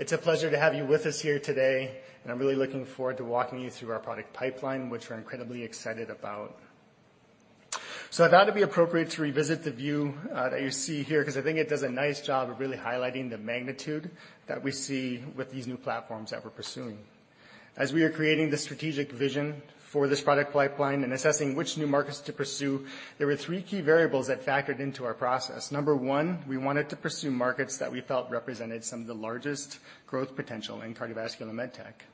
It's a pleasure to have you with us here today, and I'm really looking forward to walking you through our product pipeline, which we're incredibly excited about. I thought it'd be appropriate to revisit the view that you see here, because I think it does a nice job of really highlighting the magnitude that we see with these new platforms that we're pursuing. As we are creating the strategic vision for this product pipeline and assessing which new markets to pursue, there were three key variables that factored into our process. Number one, we wanted to pursue markets that we felt represented some of the largest growth potential in cardiovascular med tech.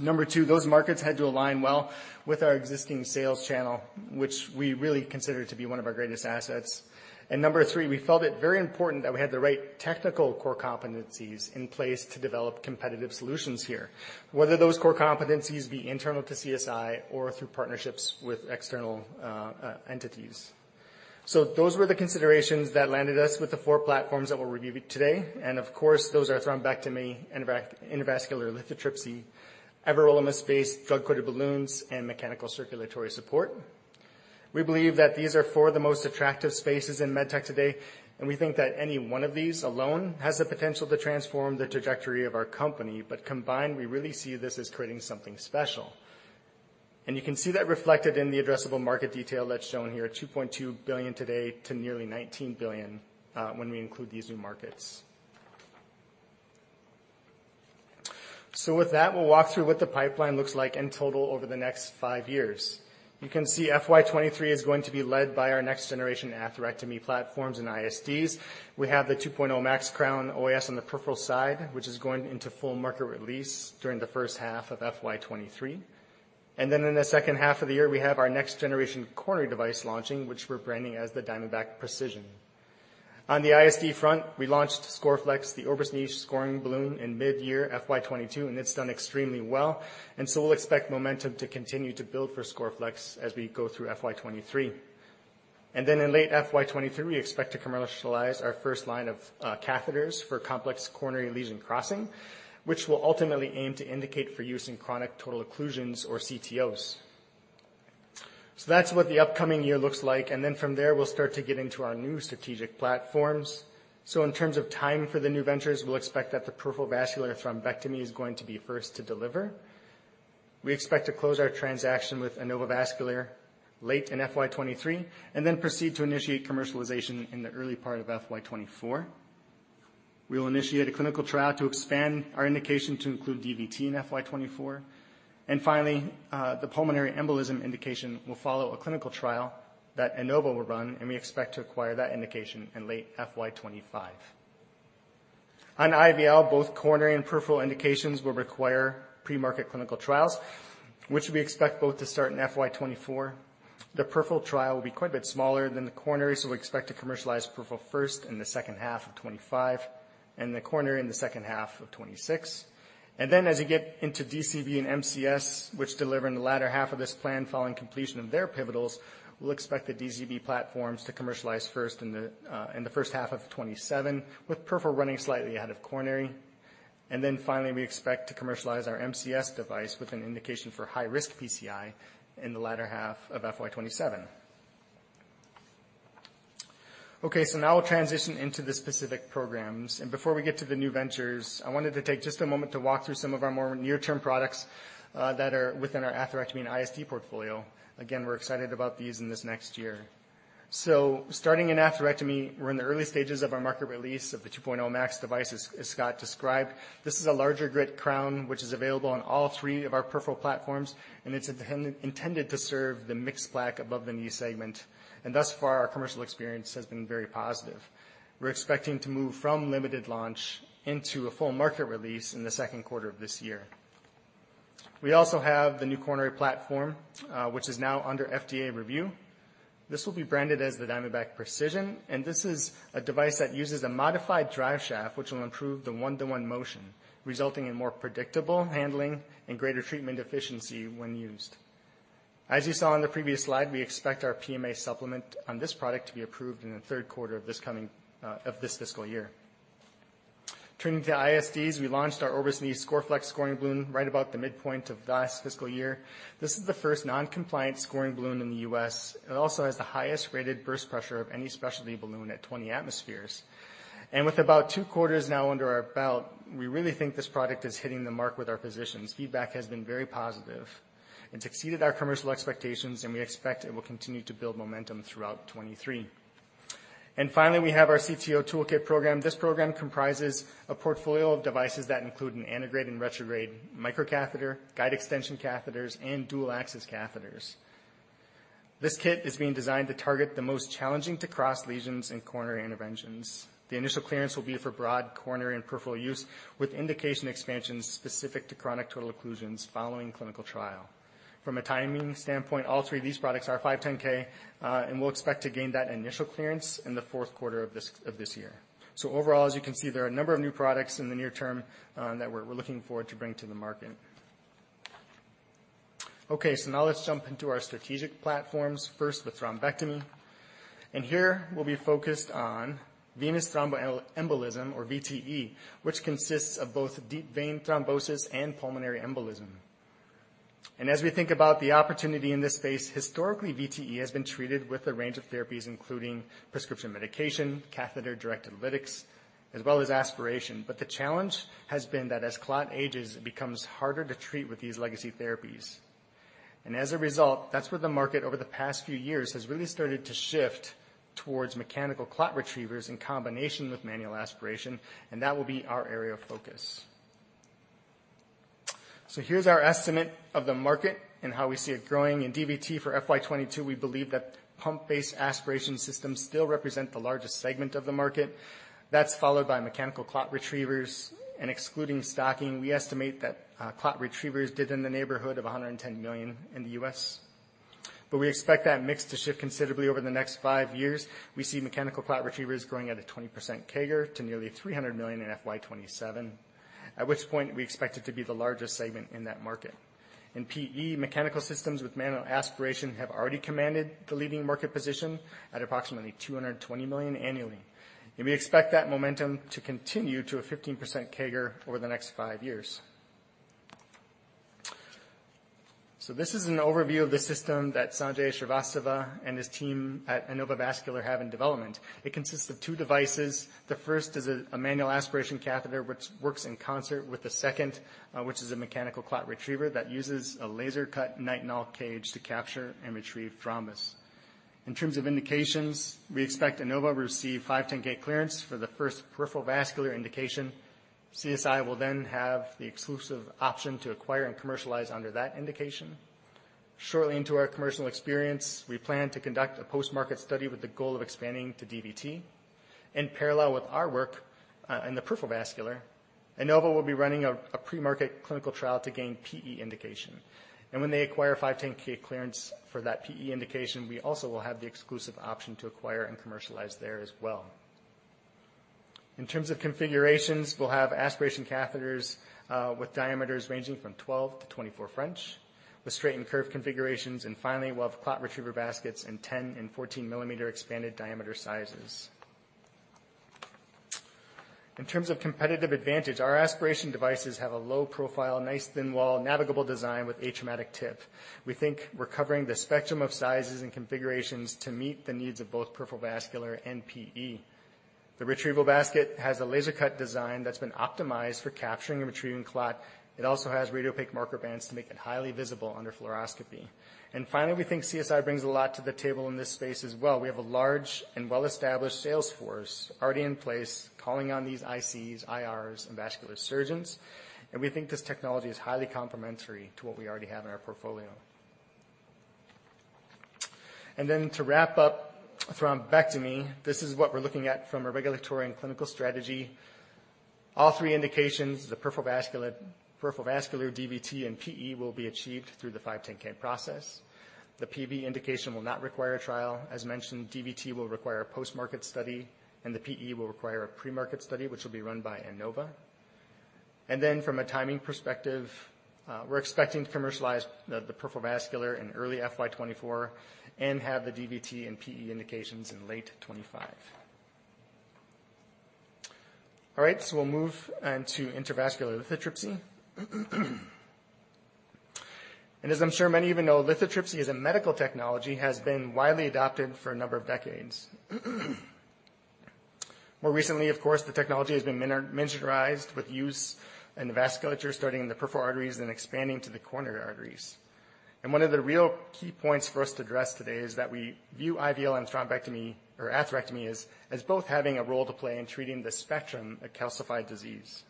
Number two, those markets had to align well with our existing sales channel, which we really consider to be one of our greatest assets. Number three, we felt it very important that we had the right technical core competencies in place to develop competitive solutions here, whether those core competencies be internal to CSI or through partnerships with external entities. Those were the considerations that landed us with the four platforms that we'll review today. Of course, those are thrombectomy, endovascular lithotripsy, everolimus-based drug-coated balloons, and mechanical circulatory support. We believe that these are four of the most attractive spaces in med tech today, and we think that any one of these alone has the potential to transform the trajectory of our company. Combined, we really see this as creating something special. You can see that reflected in the addressable market detail that's shown here, $2.2 billion today to nearly $19 billion when we include these new markets. With that, we'll walk through what the pipeline looks like in total over the next five years. You can see FY 2023 is going to be led by our next generation atherectomy platforms and ISDs. We have the 2.00 Max Crown OAS on the peripheral side, which is going into full market release during the first half of FY 2023. In the second half of the year, we have our next generation coronary device launching, which we're branding as the Diamondback 360 Precision. On the ISD front, we launched Scoreflex, the OrbusNeich scoring balloon in mid-year FY 2022, and it's done extremely well. We'll expect momentum to continue to build for Scoreflex as we go through FY 2023. In late FY 2023, we expect to commercialize our first line of catheters for complex coronary lesion crossing, which will ultimately aim to indicate for use in chronic total occlusions or CTOs. That's what the upcoming year looks like. From there, we'll start to get into our new strategic platforms. In terms of timing for the new ventures, we'll expect that the peripheral vascular thrombectomy is going to be first to deliver. We expect to close our transaction with Innova Vascular late in FY 2023 and then proceed to initiate commercialization in the early part of FY 2024. We will initiate a clinical trial to expand our indication to include DVT in FY 2024. The pulmonary embolism indication will follow a clinical trial that Innova will run, and we expect to acquire that indication in late FY 2025. On IVL, both coronary and peripheral indications will require pre-market clinical trials, which we expect both to start in FY 2024. The peripheral trial will be quite a bit smaller than the coronary, so we expect to commercialize peripheral first in the second half of 2025 and the coronary in the second half of 2026. As you get into DCB and MCS, which deliver in the latter half of this plan following completion of their pivotals, we'll expect the DCB platforms to commercialize first in the first half of 2027, with peripheral running slightly ahead of coronary. Finally, we expect to commercialize our MCS device with an indication for high-risk PCI in the latter half of FY 2027. Okay, now we'll transition into the specific programs. Before we get to the new ventures, I wanted to take just a moment to walk through some of our more near-term products, that are within our atherectomy and ISD portfolio. Again, we're excited about these in this next year. Starting in atherectomy, we're in the early stages of our market release of the 2.00 Max Crown device, as Scott described. This is a larger grit crown, which is available on all three of our peripheral platforms, and it's intended to serve the mixed plaque above the knee segment. Thus far, our commercial experience has been very positive. We're expecting to move from limited launch into a full market release in the second quarter of this year. We also have the new coronary platform, which is now under FDA review. This will be branded as the Diamondback Precision, and this is a device that uses a modified drive shaft which will improve the one-to-one motion, resulting in more predictable handling and greater treatment efficiency when used. As you saw on the previous slide, we expect our PMA supplement on this product to be approved in the third quarter of this fiscal year. Turning to the ISDs, we launched our OrbusNeich Scoreflex scoring balloon right about the midpoint of last fiscal year. This is the first non-compliant scoring balloon in the U.S. It also has the highest-graded burst pressure of any specialty balloon at 20 atmospheres. With about two quarters now under our belt, we really think this product is hitting the mark with our physicians. Feedback has been very positive. It's exceeded our commercial expectations, and we expect it will continue to build momentum throughout 2023. Finally, we have our CTO toolkit program. This program comprises a portfolio of devices that include an antegrade and retrograde microcatheter, guide extension catheters, and dual-axis catheters. This kit is being designed to target the most challenging to cross lesions and coronary interventions. The initial clearance will be for broad coronary and peripheral use, with indication expansions specific to chronic total occlusions following clinical trial. From a timing standpoint, all three of these products are 510(k), and we'll expect to gain that initial clearance in the fourth quarter of this year. Overall, as you can see, there are a number of new products in the near term that we're looking forward to bring to the market. Okay. Now let's jump into our strategic platforms, first with thrombectomy. Here we'll be focused on venous thromboembolism or VTE, which consists of both deep vein thrombosis and pulmonary embolism. As we think about the opportunity in this space, historically, VTE has been treated with a range of therapies, including prescription medication, catheter-directed lytics, as well as aspiration. The challenge has been that as clot ages, it becomes harder to treat with these legacy therapies. As a result, that's where the market over the past few years has really started to shift towards mechanical clot retrievers in combination with manual aspiration, and that will be our area of focus. Here's our estimate of the market and how we see it growing. In DVT for FY 2022, we believe that pump-based aspiration systems still represent the largest segment of the market. That's followed by mechanical clot retrievers. Excluding stocking, we estimate that clot retrievers did in the neighborhood of $110 million in the U.S. We expect that mix to shift considerably over the next five years. We see mechanical clot retrievers growing at a 20% CAGR to nearly $300 million in FY 2027, at which point we expect it to be the largest segment in that market. In PE, mechanical systems with manual aspiration have already commanded the leading market position at approximately $220 million annually, and we expect that momentum to continue to a 15% CAGR over the next five years. This is an overview of the system that Sanjay Shrivastava and his team at Innova Vascular have in development. It consists of two devices. The first is a manual aspiration catheter, which works in concert with the second, which is a mechanical clot retriever that uses a laser-cut nitinol cage to capture and retrieve thrombus. In terms of indications, we expect Innova to receive 510(k) clearance for the first peripheral vascular indication. CSI will then have the exclusive option to acquire and commercialize under that indication. Shortly into our commercial experience, we plan to conduct a post-market study with the goal of expanding to DVT. In parallel with our work in the peripheral vascular, Innova will be running a pre-market clinical trial to gain PE indication. When they acquire 510(k) clearance for that PE indication, we also will have the exclusive option to acquire and commercialize there as well. In terms of configurations, we'll have aspiration catheters with diameters ranging from 12-24 French, with straight and curved configurations. Finally, we'll have clot retriever baskets in 10- and 14-millimeter expanded diameter sizes. In terms of competitive advantage, our aspiration devices have a low profile, nice thin wall, navigable design with atraumatic tip. We think we're covering the spectrum of sizes and configurations to meet the needs of both peripheral vascular and PE. The retrieval basket has a laser-cut design that's been optimized for capturing and retrieving clot. It also has radiopaque marker bands to make it highly visible under fluoroscopy. Finally, we think CSI brings a lot to the table in this space as well. We have a large and well-established sales force already in place calling on these ICs, IRs, and vascular surgeons, and we think this technology is highly complementary to what we already have in our portfolio. To wrap up thrombectomy, this is what we're looking at from a regulatory and clinical strategy. All three indications, the peripheral vascular, DVT, and PE will be achieved through the 510(k) process. The PV indication will not require a trial. As mentioned, DVT will require a post-market study, and the PE will require a pre-market study, which will be run by Innova. From a timing perspective, we're expecting to commercialize the peripheral vascular in early FY 2024 and have the DVT and PE indications in late 2025. All right. We'll move on to intravascular lithotripsy. I'm sure many of you know, lithotripsy as a medical technology has been widely adopted for a number of decades. More recently, of course, the technology has been miniaturized with use in the vasculature, starting in the peripheral arteries and expanding to the coronary arteries. One of the real key points for us to address today is that we view IVL and thrombectomy or atherectomy as both having a role to play in treating the spectrum of calcified disease.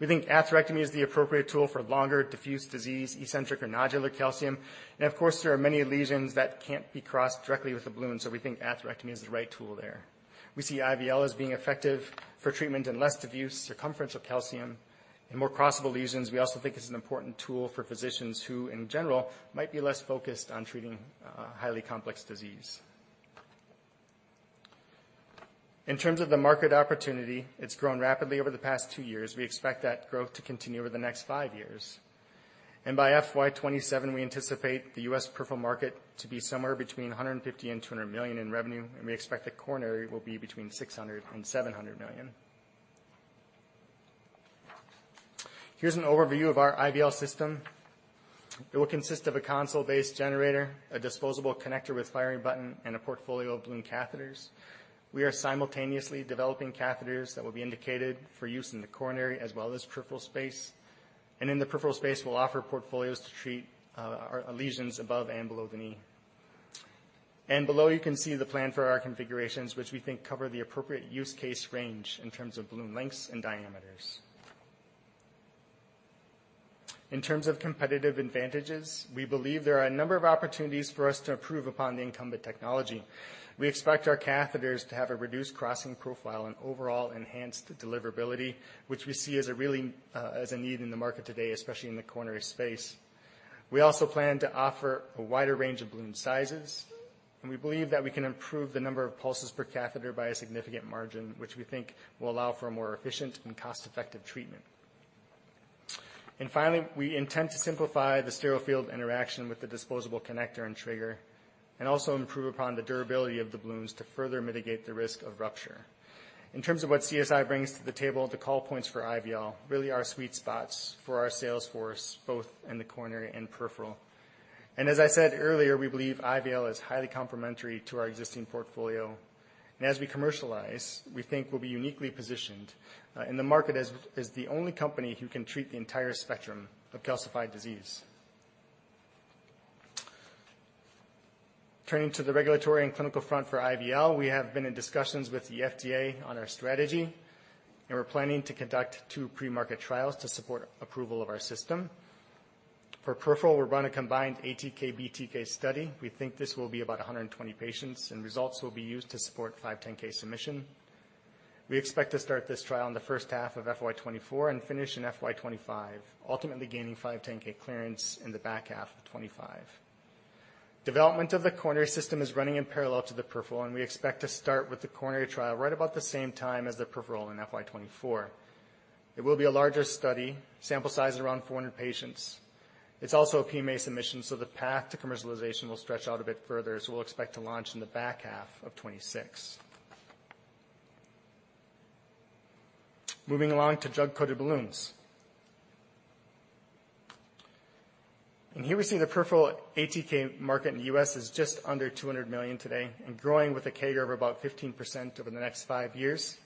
We think atherectomy is the appropriate tool for longer diffuse disease, eccentric or nodular calcium. Of course, there are many lesions that can't be crossed directly with the balloon, so we think atherectomy is the right tool there. We see IVL as being effective for treatment in less diffuse circumferential calcium and more crossable lesions. We also think it's an important tool for physicians who, in general, might be less focused on treating highly complex disease. In terms of the market opportunity, it's grown rapidly over the past 2 years. We expect that growth to continue over the next 5 years. By FY 2027, we anticipate the U.S. peripheral market to be somewhere between $150 and $200 million in revenue, and we expect that coronary will be between $600 and $700 million. Here's an overview of our IVL system. It will consist of a console-based generator, a disposable connector with firing button, and a portfolio of balloon catheters. We are simultaneously developing catheters that will be indicated for use in the coronary as well as peripheral space, and in the peripheral space we'll offer portfolios to treat lesions above and below the knee. Below you can see the plan for our configurations, which we think cover the appropriate use case range in terms of balloon lengths and diameters. In terms of competitive advantages, we believe there are a number of opportunities for us to improve upon the incumbent technology. We expect our catheters to have a reduced crossing profile and overall enhanced deliverability, which we see as a really, as a need in the market today, especially in the coronary space. We also plan to offer a wider range of balloon sizes, and we believe that we can improve the number of pulses per catheter by a significant margin, which we think will allow for a more efficient and cost-effective treatment. Finally, we intend to simplify the sterile field interaction with the disposable connector and trigger, and also improve upon the durability of the balloons to further mitigate the risk of rupture. In terms of what CSI brings to the table, the call points for IVL really are sweet spots for our sales force, both in the coronary and peripheral. As I said earlier, we believe IVL is highly complementary to our existing portfolio. As we commercialize, we think we'll be uniquely positioned in the market as the only company who can treat the entire spectrum of calcified disease. Turning to the regulatory and clinical front for IVL, we have been in discussions with the FDA on our strategy, and we're planning to conduct two pre-market trials to support approval of our system. For peripheral, we're running a combined ATK/BTK study. We think this will be about 120 patients, and results will be used to support 510(k) submission. We expect to start this trial in the first half of FY 2024 and finish in FY 2025, ultimately gaining 510(k) clearance in the back half of 2025. Development of the coronary system is running in parallel to the peripheral, and we expect to start with the coronary trial right about the same time as the peripheral in FY 2024. It will be a larger study, sample size around 400 patients. It's also a PMA submission, so the path to commercialization will stretch out a bit further, so we'll expect to launch in the back half of 2026. Moving along to drug-coated balloons. Here we see the peripheral ATK market in the U.S. is just under $200 million today and growing with a CAGR of about 15% over the next five years.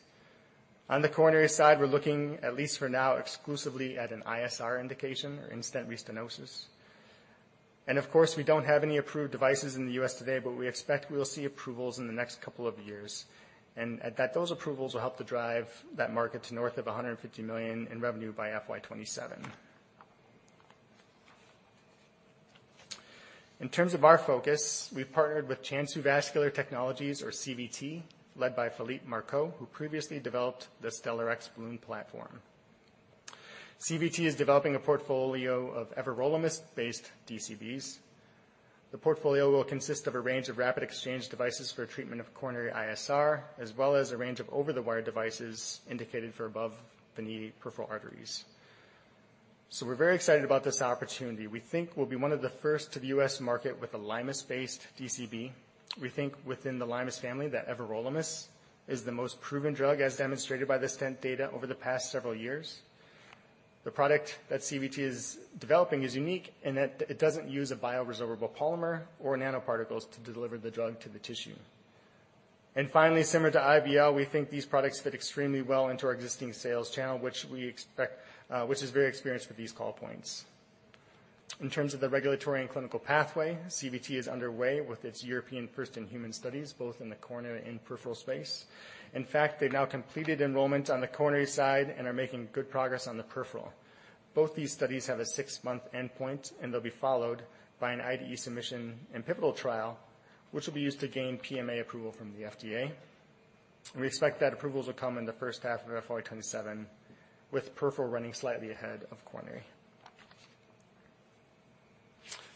On the coronary side, we're looking at least for now, exclusively at an ISR indication or in-stent restenosis. Of course, we don't have any approved devices in the U.S. Today, but we expect we'll see approvals in the next couple of years, and at that, those approvals will help to drive that market to north of $150 million in revenue by FY 2027. In terms of our focus, we've partnered with Chansu Vascular Technologies or CVT, led by Philippe Maraval, who previously developed the Stellarex balloon platform. CVT is developing a portfolio of everolimus-based DCBs. The portfolio will consist of a range of rapid exchange devices for treatment of coronary ISR, as well as a range of over-the-wire devices indicated for above-the-knee peripheral arteries. We're very excited about this opportunity. We think we'll be one of the first to the U.S. market with a Limus-based DCB. We think within the Limus family that everolimus is the most proven drug as demonstrated by the stent data over the past several years. The product that CVT is developing is unique in that it doesn't use a bioresorbable polymer or nanoparticles to deliver the drug to the tissue. Finally, similar to IVL, we think these products fit extremely well into our existing sales channel, which is very experienced with these call points. In terms of the regulatory and clinical pathway, CVT is underway with its European first-in-human studies, both in the coronary and peripheral space. In fact, they've now completed enrollment on the coronary side and are making good progress on the peripheral. Both these studies have a 6-month endpoint, and they'll be followed by an IDE submission and pivotal trial, which will be used to gain PMA approval from the FDA. We expect that approvals will come in the first half of FY 2027 with peripheral running slightly ahead of coronary.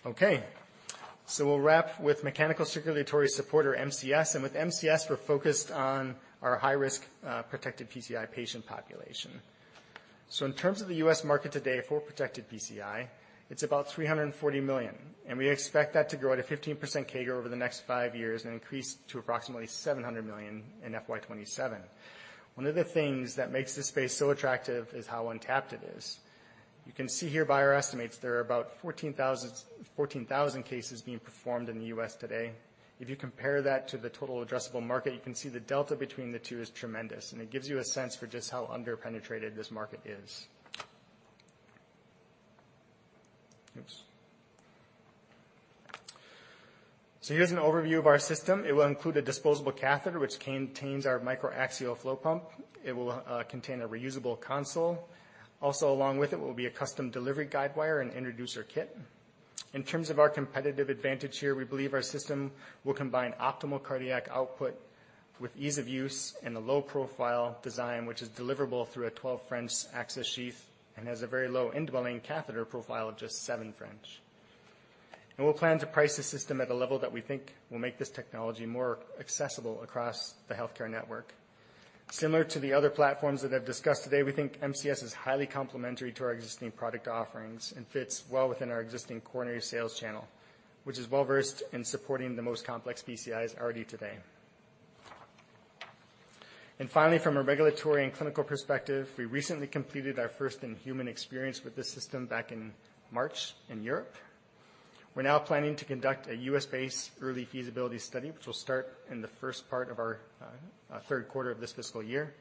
Okay. We'll wrap with mechanical circulatory support or MCS, and with MCS we're focused on our high-risk, protected PCI patient population. In terms of the U.S. market today for protected PCI, it's about $340 million, and we expect that to grow at a 15% CAGR over the next 5 years and increase to approximately $700 million in FY 2027. One of the things that makes this space so attractive is how untapped it is. You can see here by our estimates, there are about 14,000 cases being performed in the U.S. today. If you compare that to the total addressable market, you can see the delta between the two is tremendous, and it gives you a sense for just how under-penetrated this market is. Oops. Here's an overview of our system. It will include a disposable catheter, which contains our microaxial flow pump. It will contain a reusable console. Also along with it will be a custom delivery guide wire and introducer kit. In terms of our competitive advantage here, we believe our system will combine optimal cardiac output with ease of use and a low profile design, which is deliverable through a 12 French access sheath and has a very low indwelling catheter profile of just 7 French. We'll plan to price the system at a level that we think will make this technology more accessible across the healthcare network. Similar to the other platforms that I've discussed today, we think MCS is highly complementary to our existing product offerings and fits well within our existing coronary sales channel, which is well-versed in supporting the most complex PCIs already today. Finally, from a regulatory and clinical perspective, we recently completed our first in human experience with this system back in March in Europe. We're now planning to conduct a U.S.-based early feasibility study, which will start in the first part of our third quarter of this fiscal year.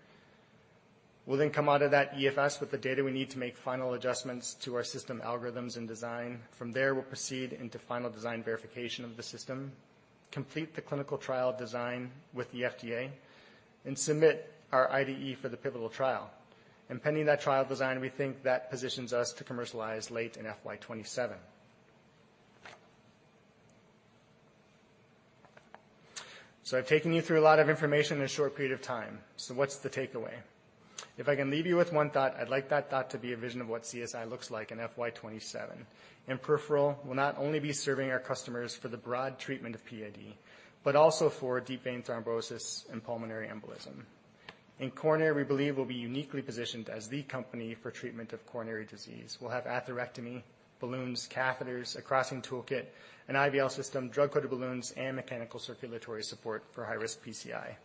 We'll then come out of that EFS with the data we need to make final adjustments to our system algorithms and design. From there, we'll proceed into final design verification of the system, complete the clinical trial design with the FDA, and submit our IDE for the pivotal trial. Pending that trial design, we think that positions us to commercialize late in FY 2027. I've taken you through a lot of information in a short period of time. What's the takeaway? If I can leave you with one thought, I'd like that thought to be a vision of what CSI looks like in FY 2027, and peripheral will not only be serving our customers for the broad treatment of PAD, but also for deep vein thrombosis and pulmonary embolism. In coronary, we believe we'll be uniquely positioned as the company for treatment of coronary disease. We'll have atherectomy, balloons, catheters, a crossing toolkit, an IVL system, drug-coated balloons, and mechanical circulatory support for high-risk PCI.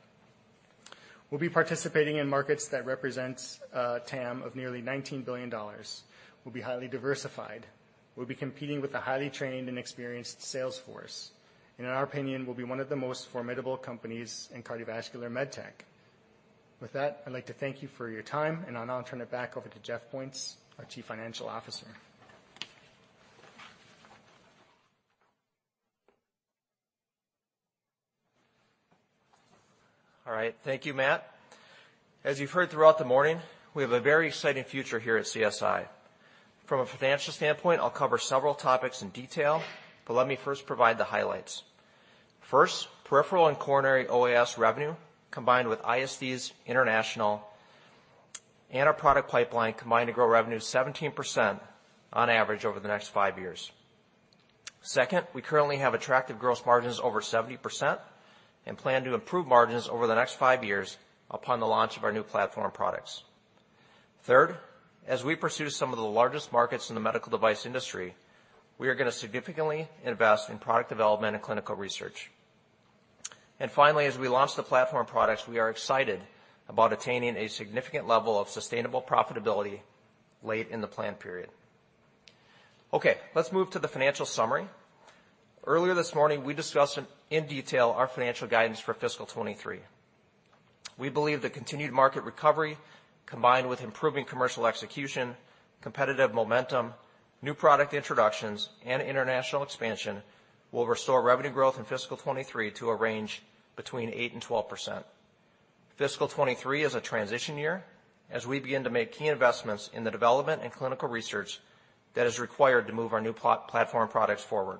We'll be participating in markets that represents a TAM of nearly $19 billion. We'll be highly diversified. We'll be competing with a highly trained and experienced sales force. In our opinion, we'll be one of the most formidable companies in cardiovascular med tech. With that, I'd like to thank you for your time, and I'll now turn it back over to Jeff Points, our Chief Financial Officer. All right. Thank you, Matt. As you've heard throughout the morning, we have a very exciting future here at CSI. From a financial standpoint, I'll cover several topics in detail, but let me first provide the highlights. First, peripheral and coronary OAS revenue, combined with ISDs international and our product pipeline, combine to grow revenue 17% on average over the next five years. Second, we currently have attractive gross margins over 70% and plan to improve margins over the next five years upon the launch of our new platform products. Third, as we pursue some of the largest markets in the medical device industry, we are gonna significantly invest in product development and clinical research. Finally, as we launch the platform products, we are excited about attaining a significant level of sustainable profitability late in the plan period. Okay, let's move to the financial summary. Earlier this morning, we discussed in detail our financial guidance for fiscal 2023. We believe the continued market recovery, combined with improving commercial execution, competitive momentum, new product introductions, and international expansion, will restore revenue growth in fiscal 2023 to a range between 8% and 12%. Fiscal 2023 is a transition year as we begin to make key investments in the development and clinical research that is required to move our new platform products forward.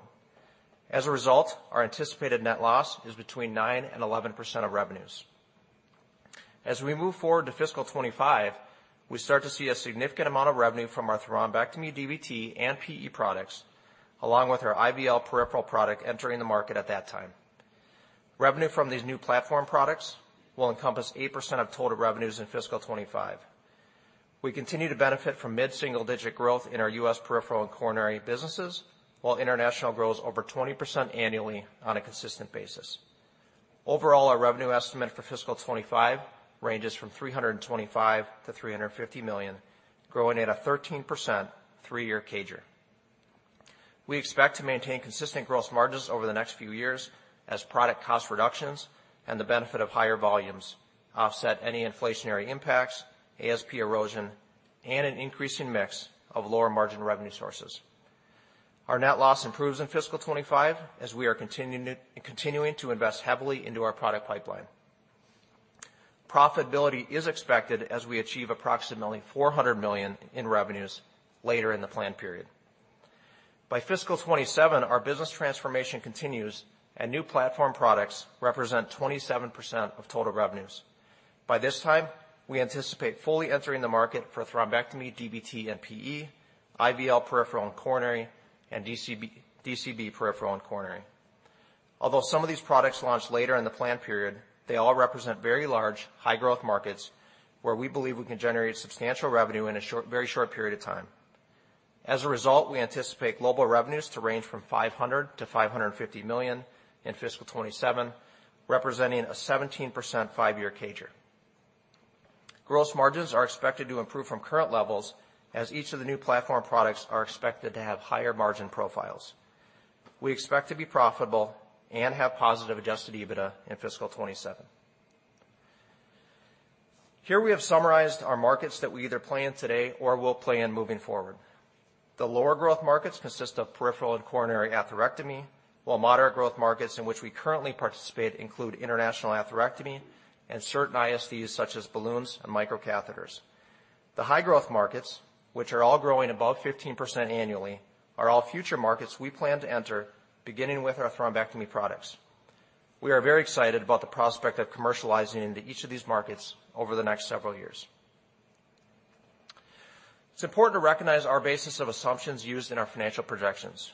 As a result, our anticipated net loss is between 9% and 11% of revenues. As we move forward to fiscal 2025, we start to see a significant amount of revenue from our thrombectomy DVT and PE products, along with our IVL peripheral product entering the market at that time. Revenue from these new platform products will encompass 8% of total revenues in fiscal 2025. We continue to benefit from mid-single-digit growth in our U.S. peripheral and coronary businesses, while international grows over 20% annually on a consistent basis. Overall, our revenue estimate for fiscal 2025 ranges from $325 million-$350 million, growing at a 13% three-year CAGR. We expect to maintain consistent gross margins over the next few years as product cost reductions and the benefit of higher volumes offset any inflationary impacts, ASP erosion, and an increasing mix of lower margin revenue sources. Our net loss improves in fiscal 2025 as we are continuing to invest heavily into our product pipeline. Profitability is expected as we achieve approximately $400 million in revenues later in the plan period. By fiscal 2027, our business transformation continues and new platform products represent 27% of total revenues. By this time, we anticipate fully entering the market for thrombectomy, DVT, and PE, IVL peripheral and coronary, and DCB peripheral and coronary. Although some of these products launch later in the plan period, they all represent very large, high growth markets where we believe we can generate substantial revenue in a very short period of time. As a result, we anticipate global revenues to range from $500-$550 million in fiscal 2027, representing a 17% 5-year CAGR. Gross margins are expected to improve from current levels as each of the new platform products are expected to have higher margin profiles. We expect to be profitable and have positive adjusted EBITDA in fiscal 2027. Here we have summarized our markets that we either play in today or will play in moving forward. The lower growth markets consist of peripheral and coronary atherectomy, while moderate growth markets in which we currently participate include international atherectomy and certain ISDs such as balloons and micro catheters. The high growth markets, which are all growing above 15% annually, are all future markets we plan to enter beginning with our thrombectomy products. We are very excited about the prospect of commercializing into each of these markets over the next several years. It's important to recognize our basis of assumptions used in our financial projections.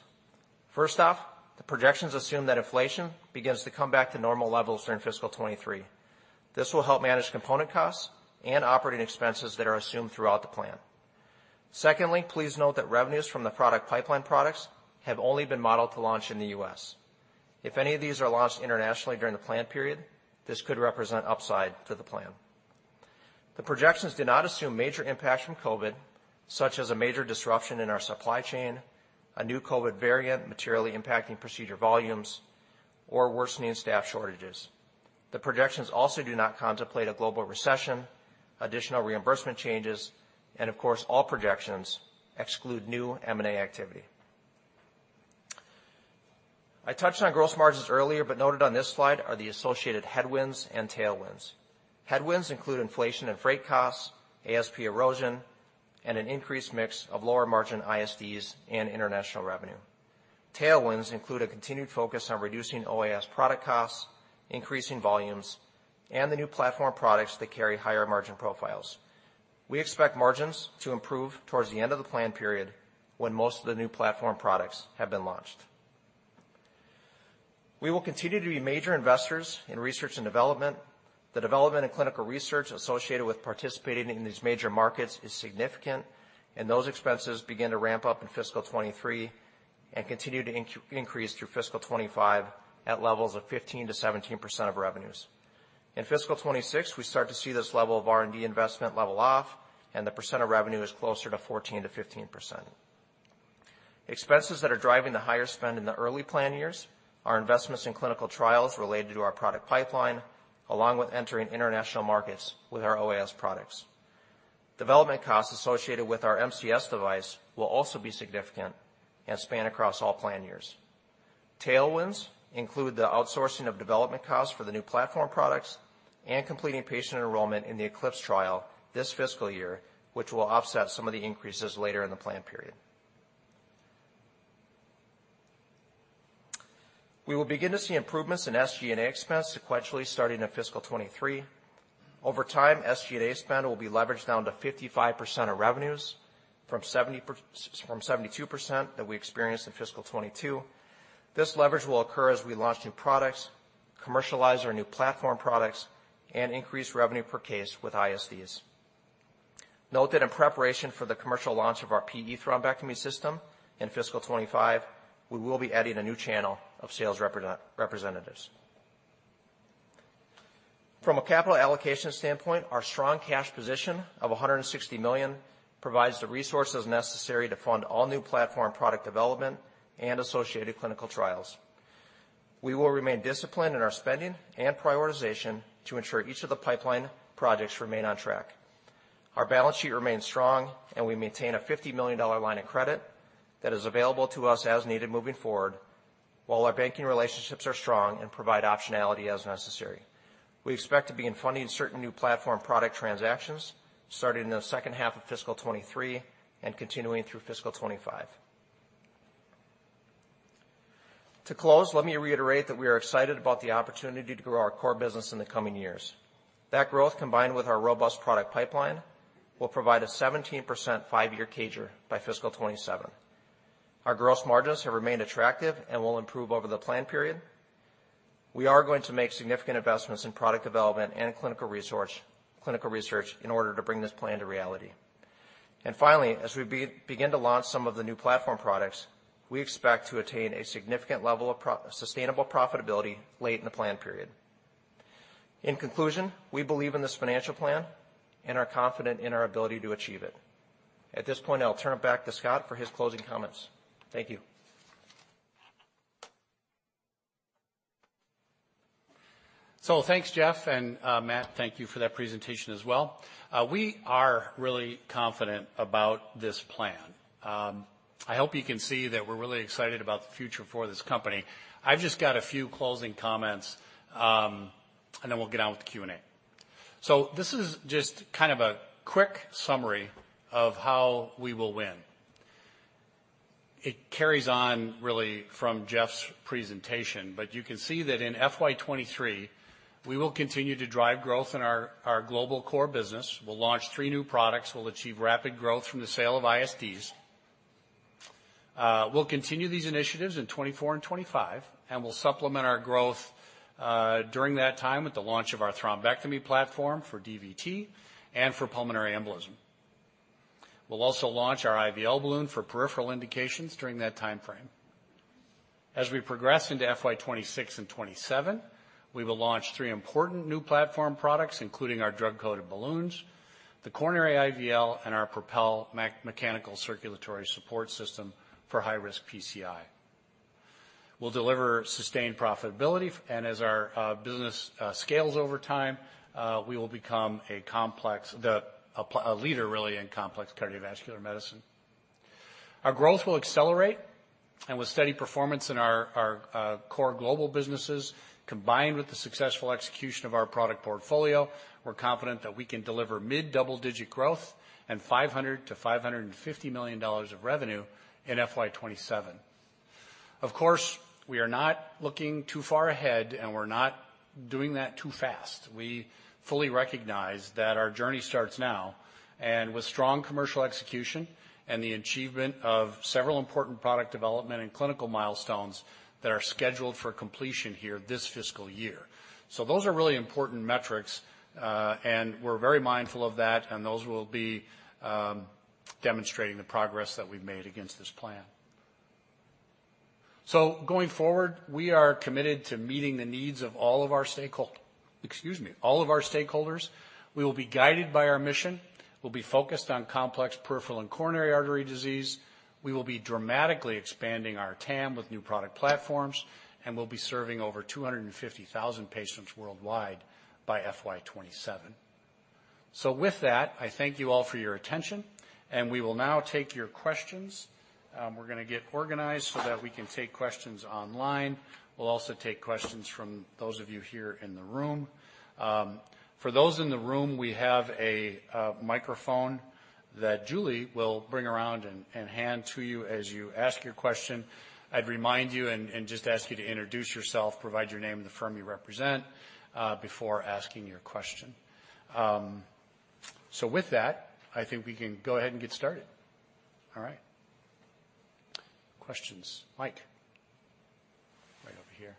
First off, the projections assume that inflation begins to come back to normal levels during fiscal 2023. This will help manage component costs and operating expenses that are assumed throughout the plan. Secondly, please note that revenues from the product pipeline products have only been modeled to launch in the U.S. If any of these are launched internationally during the plan period, this could represent upside to the plan. The projections do not assume major impact from COVID, such as a major disruption in our supply chain, a new COVID variant materially impacting procedure volumes, or worsening staff shortages. The projections also do not contemplate a global recession, additional reimbursement changes, and of course, all projections exclude new M&A activity. I touched on gross margins earlier, but noted on this slide are the associated headwinds and tailwinds. Headwinds include inflation and freight costs, ASP erosion, and an increased mix of lower margin ISDs and international revenue. Tailwinds include a continued focus on reducing OAS product costs, increasing volumes, and the new platform products that carry higher margin profiles. We expect margins to improve towards the end of the plan period when most of the new platform products have been launched. We will continue to be major investors in research and development. The development and clinical research associated with participating in these major markets is significant, and those expenses begin to ramp up in fiscal 2023 and continue to increase through fiscal 2025 at levels of 15%-17% of revenues. In fiscal 2026, we start to see this level of R&D investment level off, and the percent of revenue is closer to 14%-15%. Expenses that are driving the higher spend in the early plan years are investments in clinical trials related to our product pipeline, along with entering international markets with our OAS products. Development costs associated with our MCS device will also be significant and span across all plan years. Tailwinds include the outsourcing of development costs for the new platform products and completing patient enrollment in the ECLIPSE trial this fiscal year, which will offset some of the increases later in the plan period. We will begin to see improvements in SG&A expense sequentially starting in fiscal 2023. Over time, SG&A spend will be leveraged down to 55% of revenues from 72% that we experienced in fiscal 2022. This leverage will occur as we launch new products, commercialize our new platform products, and increase revenue per case with ISDs. Note that in preparation for the commercial launch of our PE thrombectomy system in fiscal 2025, we will be adding a new channel of sales representatives. From a capital allocation standpoint, our strong cash position of $160 million provides the resources necessary to fund all new platform product development and associated clinical trials. We will remain disciplined in our spending and prioritization to ensure each of the pipeline projects remain on track. Our balance sheet remains strong, and we maintain a $50 million line of credit that is available to us as needed moving forward, while our banking relationships are strong and provide optionality as necessary. We expect to begin funding certain new platform product transactions starting in the second half of fiscal 2023 and continuing through fiscal 2025. To close, let me reiterate that we are excited about the opportunity to grow our core business in the coming years. That growth, combined with our robust product pipeline, will provide a 17% 5-year CAGR by fiscal 2027. Our gross margins have remained attractive and will improve over the plan period. We are going to make significant investments in product development and clinical research in order to bring this plan to reality. Finally, as we begin to launch some of the new platform products, we expect to attain a significant level of sustainable profitability late in the plan period. In conclusion, we believe in this financial plan and are confident in our ability to achieve it. At this point, I'll turn it back to Scott for his closing comments. Thank you. Thanks, Jeff, and Matt, thank you for that presentation as well. We are really confident about this plan. I hope you can see that we're really excited about the future for this company. I've just got a few closing comments, and then we'll get on with the Q&A. This is just kind of a quick summary of how we will win. It carries on really from Jeff's presentation, but you can see that in FY 2023, we will continue to drive growth in our global core business. We'll launch three new products. We'll achieve rapid growth from the sale of ISDs. We'll continue these initiatives in 2024 and 2025, and we'll supplement our growth during that time with the launch of our thrombectomy platform for DVT and for pulmonary embolism. We'll also launch our IVL balloon for peripheral indications during that timeframe. As we progress into FY 2026 and 2027, we will launch three important new platform products, including our drug-coated balloons, the coronary IVL, and our Propel mechanical circulatory support system for high-risk PCI. We'll deliver sustained profitability, and as our business scales over time, we will become a leader really in complex cardiovascular medicine. Our growth will accelerate, and with steady performance in our core global businesses, combined with the successful execution of our product portfolio, we're confident that we can deliver mid-double-digit growth and $500 million-$550 million of revenue in FY 2027. Of course, we are not looking too far ahead, and we're not doing that too fast. We fully recognize that our journey starts now and with strong commercial execution and the achievement of several important product development and clinical milestones that are scheduled for completion here this fiscal year. Those are really important metrics, and we're very mindful of that, and those will be demonstrating the progress that we've made against this plan. Going forward, we are committed to meeting the needs of all of our stakeholders. We will be guided by our mission. We'll be focused on complex peripheral and coronary artery disease. We will be dramatically expanding our TAM with new product platforms, and we'll be serving over 250,000 patients worldwide by FY 2027. With that, I thank you all for your attention, and we will now take your questions. We're gonna get organized so that we can take questions online. We'll also take questions from those of you here in the room. For those in the room, we have a microphone that Julie will bring around and hand to you as you ask your question. I'd remind you and just ask you to introduce yourself, provide your name and the firm you represent, before asking your question. So with that, I think we can go ahead and get started. All right. Questions. Mike. Right over here.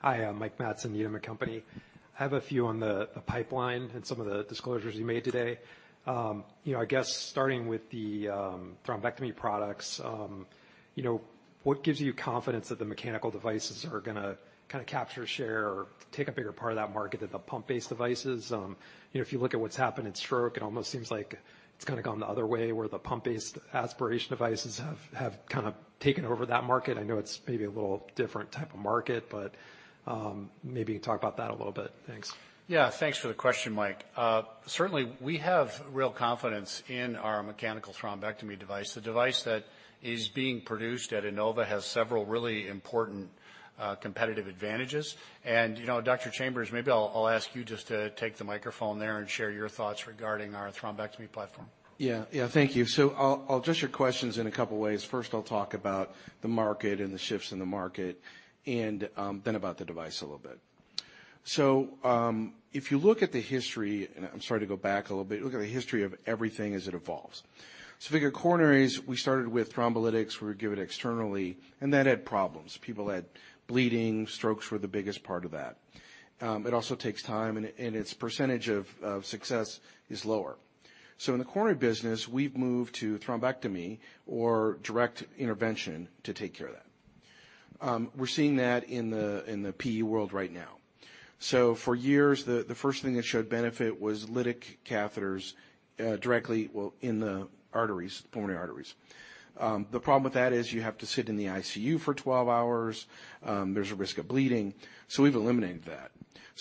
Hi. I'm Mike Matson, Needham & Company. I have a few on the pipeline and some of the disclosures you made today. You know, I guess starting with the thrombectomy products, you know, what gives you confidence that the mechanical devices are gonna kinda capture share, or take a bigger part of that market than the pump-based devices? You know, if you look at what's happened in stroke, it almost seems like it's kinda gone the other way, where the pump-based aspiration devices have kinda taken over that market. I know it's maybe a little different type of market, but maybe talk about that a little bit. Thanks. Yeah. Thanks for the question, Mike. Certainly we have real confidence in our mechanical thrombectomy device. The device that is being produced at Innova has several really important competitive advantages. You know, Dr. Chambers, maybe I'll ask you just to take the microphone there and share your thoughts regarding our thrombectomy platform. Yeah. Thank you. I'll address your questions in a couple ways. First, I'll talk about the market and the shifts in the market and then about the device a little bit. If you look at the history of everything as it evolves. If you go coronaries, we started with thrombolytics. We would give it externally, and that had problems. People had bleeding. Strokes were the biggest part of that. It also takes time and its percentage of success is lower. In the coronary business, we've moved to thrombectomy or direct intervention to take care of that. We're seeing that in the PE world right now. For years, the first thing that showed benefit was lytic catheters directly in the pulmonary arteries. The problem with that is you have to sit in the ICU for 12 hours. There's a risk of bleeding, so we've eliminated that.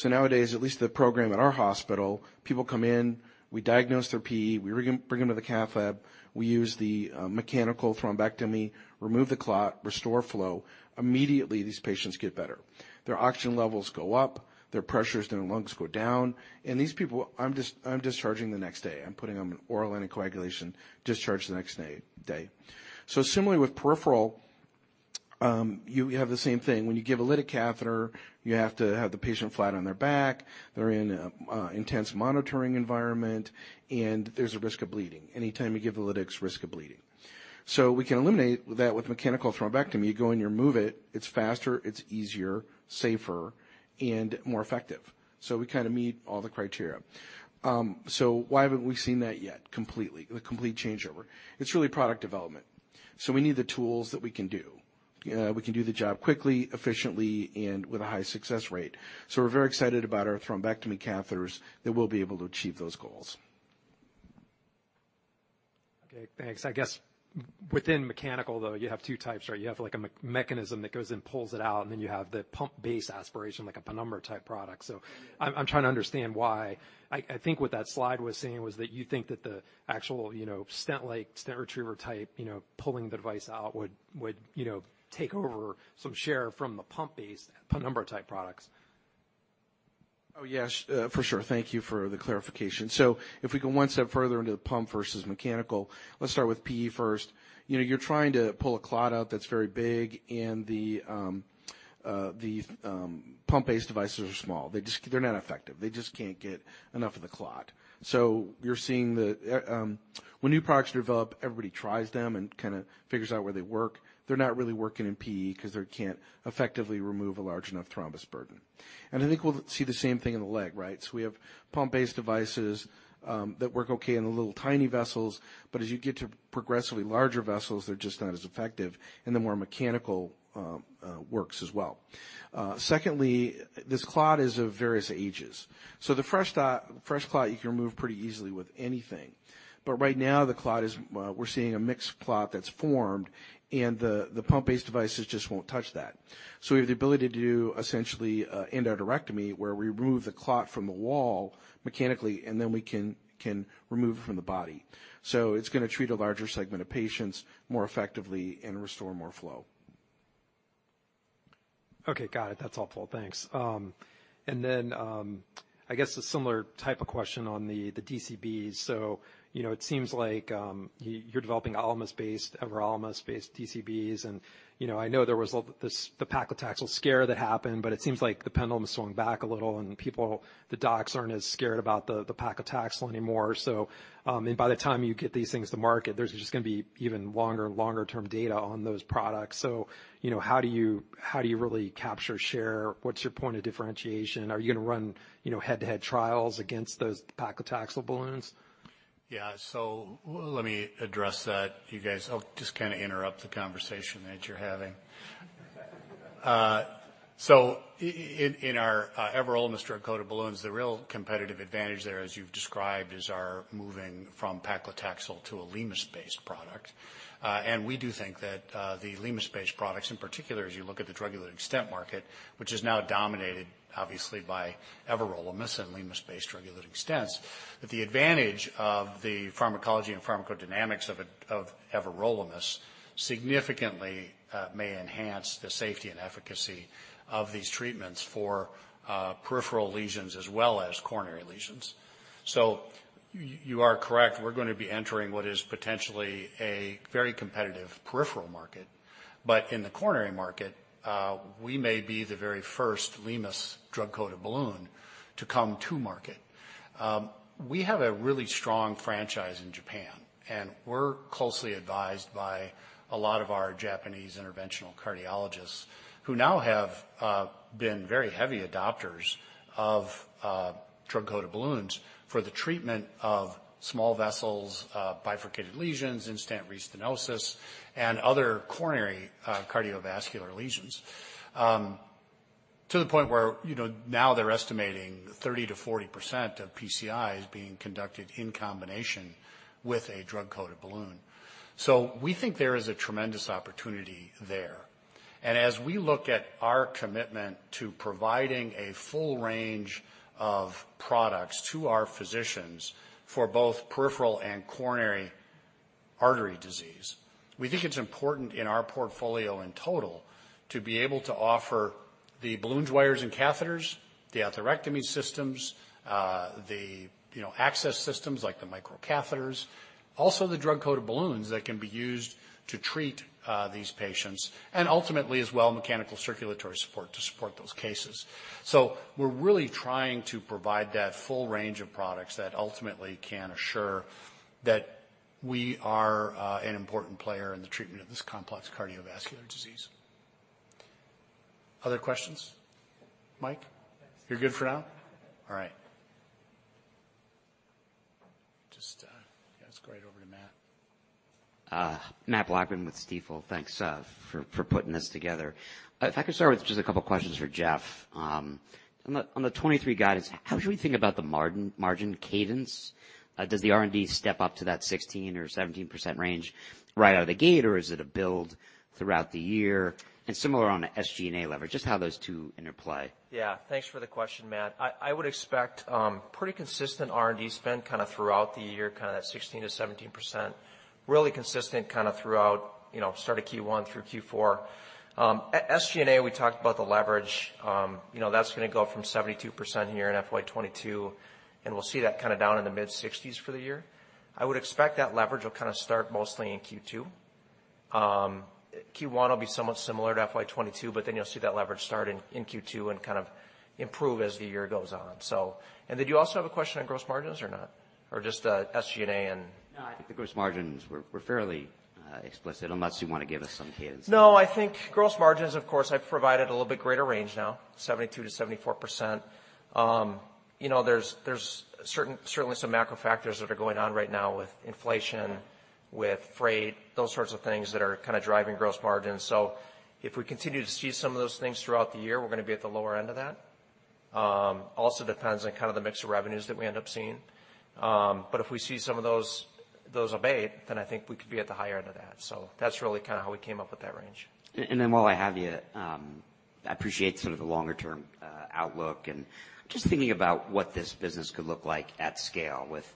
Nowadays, at least the program at our hospital, people come in, we diagnose their PE, we re-bring them to the cath lab, we use the mechanical thrombectomy, remove the clot, restore flow. Immediately, these patients get better. Their oxygen levels go up, their pressures in their lungs go down, and these people I'm discharging the next day. I'm putting them on oral anticoagulation, discharge the next day. Similarly with peripheral, you have the same thing. When you give a lytic catheter, you have to have the patient flat on their back, they're in an intense monitoring environment, and there's a risk of bleeding. Anytime you give lytics, risk of bleeding. We can eliminate that with mechanical thrombectomy. You go in, you remove it. It's faster, it's easier, safer, and more effective. We kinda meet all the criteria. Why haven't we seen that yet completely, the complete changeover? It's really product development. We need the tools that we can do. We can do the job quickly, efficiently, and with a high success rate. We're very excited about our thrombectomy catheters that will be able to achieve those goals. Okay. Thanks. I guess within mechanical, though, you have two types, right? You have like a mechanism that goes and pulls it out, and then you have the pump-based aspiration, like a Penumbra-type product. So I'm trying to understand why. I think what that slide was saying was that you think that the actual, you know, stent, like stent retriever type, you know, pulling the device out would, you know, take over some share from the pump-based Penumbra-type products. Oh, yes. For sure. Thank you for the clarification. If we go one step further into the pump versus mechanical, let's start with PE first. You know, you're trying to pull a clot out that's very big and the pump-based devices are small. They just. They're not effective. They just can't get enough of the clot. You're seeing when new products are developed, everybody tries them and kinda figures out where they work. They're not really working in PE 'cause they can't effectively remove a large enough thrombus burden. I think we'll see the same thing in the leg, right? We have pump-based devices that work okay in the little tiny vessels, but as you get to progressively larger vessels, they're just not as effective, and the more mechanical works as well. Secondly, this clot is of various ages. The fresh clot you can remove pretty easily with anything. Right now, the clot is we're seeing a mixed clot that's formed, and the pump-based devices just won't touch that. We have the ability to do, essentially, endarterectomy, where we remove the clot from the wall mechanically, and then we can remove it from the body. It's gonna treat a larger segment of patients more effectively and restore more flow. Okay. Got it. That's all, Paul. Thanks. I guess a similar type of question on the DCB. You know, it seems like you're developing everolimus-based DCBs and, you know, I know there was the paclitaxel scare that happened, but it seems like the pendulum swung back a little, and the docs aren't as scared about the paclitaxel anymore. By the time you get these things to market, there's just gonna be even longer and longer-term data on those products. You know, how do you really capture share? What's your point of differentiation? Are you gonna run, you know, head-to-head trials against those paclitaxel balloons? Yeah. Let me address that, you guys. I'll just kind of interrupt the conversation that you're having. In our everolimus drug-coated balloons, the real competitive advantage there, as you've described, is our moving from paclitaxel to a limus-based product. We do think that the limus-based products, in particular, as you look at the drug-eluting stent market, which is now dominated obviously by everolimus and limus-based drug-eluting stents, that the advantage of the pharmacology and pharmacodynamics of everolimus significantly may enhance the safety and efficacy of these treatments for peripheral lesions as well as coronary lesions. You are correct. We're gonna be entering what is potentially a very competitive peripheral market. In the coronary market, we may be the very first limus drug-coated balloon to come to market. We have a really strong franchise in Japan, and we're closely advised by a lot of our Japanese interventional cardiologists, who now have been very heavy adopters of drug-coated balloons for the treatment of small vessels, bifurcated lesions, in-stent restenosis, and other coronary cardiovascular lesions. To the point where, you know, now they're estimating 30%-40% of PCI is being conducted in combination with a drug-coated balloon. We think there is a tremendous opportunity there. As we look at our commitment to providing a full range of products to our physicians for both peripheral and coronary artery disease, we think it's important in our portfolio in total to be able to offer the balloons, wires, and catheters, the atherectomy systems, access systems like the micro catheters, also the drug-coated balloons that can be used to treat these patients, and ultimately as well, mechanical circulatory support to support those cases. We're really trying to provide that full range of products that ultimately can assure that we are an important player in the treatment of this complex cardiovascular disease. Other questions? Mike? Thanks. You're good for now? All right. Just, yeah, let's go right over to Matt. Mathew Miksic with Stifel. Thanks for putting this together. If I could start with just a couple questions for Jeff Points. On the 2023 guidance, how should we think about the margin cadence? Does the R&D step up to that 16%-17% range right out of the gate, or is it a build throughout the year? Similar on the SG&A leverage, just how those two interplay. Yeah. Thanks for the question, Matt. I would expect pretty consistent R&D spend kinda throughout the year, kinda that 16%-17%. Really consistent kinda throughout, you know, start of Q1 through Q4. SG&A, we talked about the leverage. You know, that's gonna go from 72% here in FY 2022, and we'll see that kinda down in the mid-60s% for the year. I would expect that leverage will kind of start mostly in Q2. Q1 will be somewhat similar to FY 2022, but then you'll see that leverage starting in Q2 and kind of improve as the year goes on, so. Did you also have a question on gross margins or not? Or just SG&A and- No, I think the gross margins were fairly explicit, unless you wanna give us some hints. No, I think gross margins, of course, I've provided a little bit greater range now, 72%-74%. You know, there's certainly some macro factors that are going on right now with inflation, with freight, those sorts of things that are kinda driving gross margins. If we continue to see some of those things throughout the year, we're gonna be at the lower end of that. Also depends on kind of the mix of revenues that we end up seeing. But if we see some of those abate, then I think we could be at the higher end of that. That's really kinda how we came up with that range. While I have you, I appreciate sort of the longer term outlook and just thinking about what this business could look like at scale with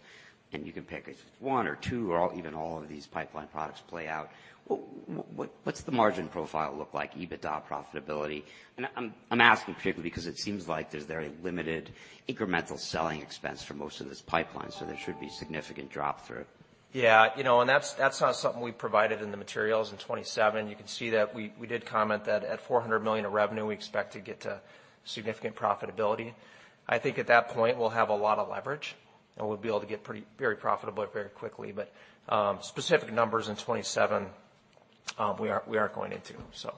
and you can pick if it's one or two or all, even all of these pipeline products play out. What's the margin profile look like, EBITDA profitability? I'm asking particularly because it seems like there's very limited incremental selling expense for most of this pipeline, so there should be significant drop through. Yeah. You know, that's not something we provided in the materials in 2027. You can see that we did comment that at $400 million of revenue, we expect to get to significant profitability. I think at that point, we'll have a lot of leverage, and we'll be able to get very profitable very quickly. Specific numbers in 2027. We are going into so.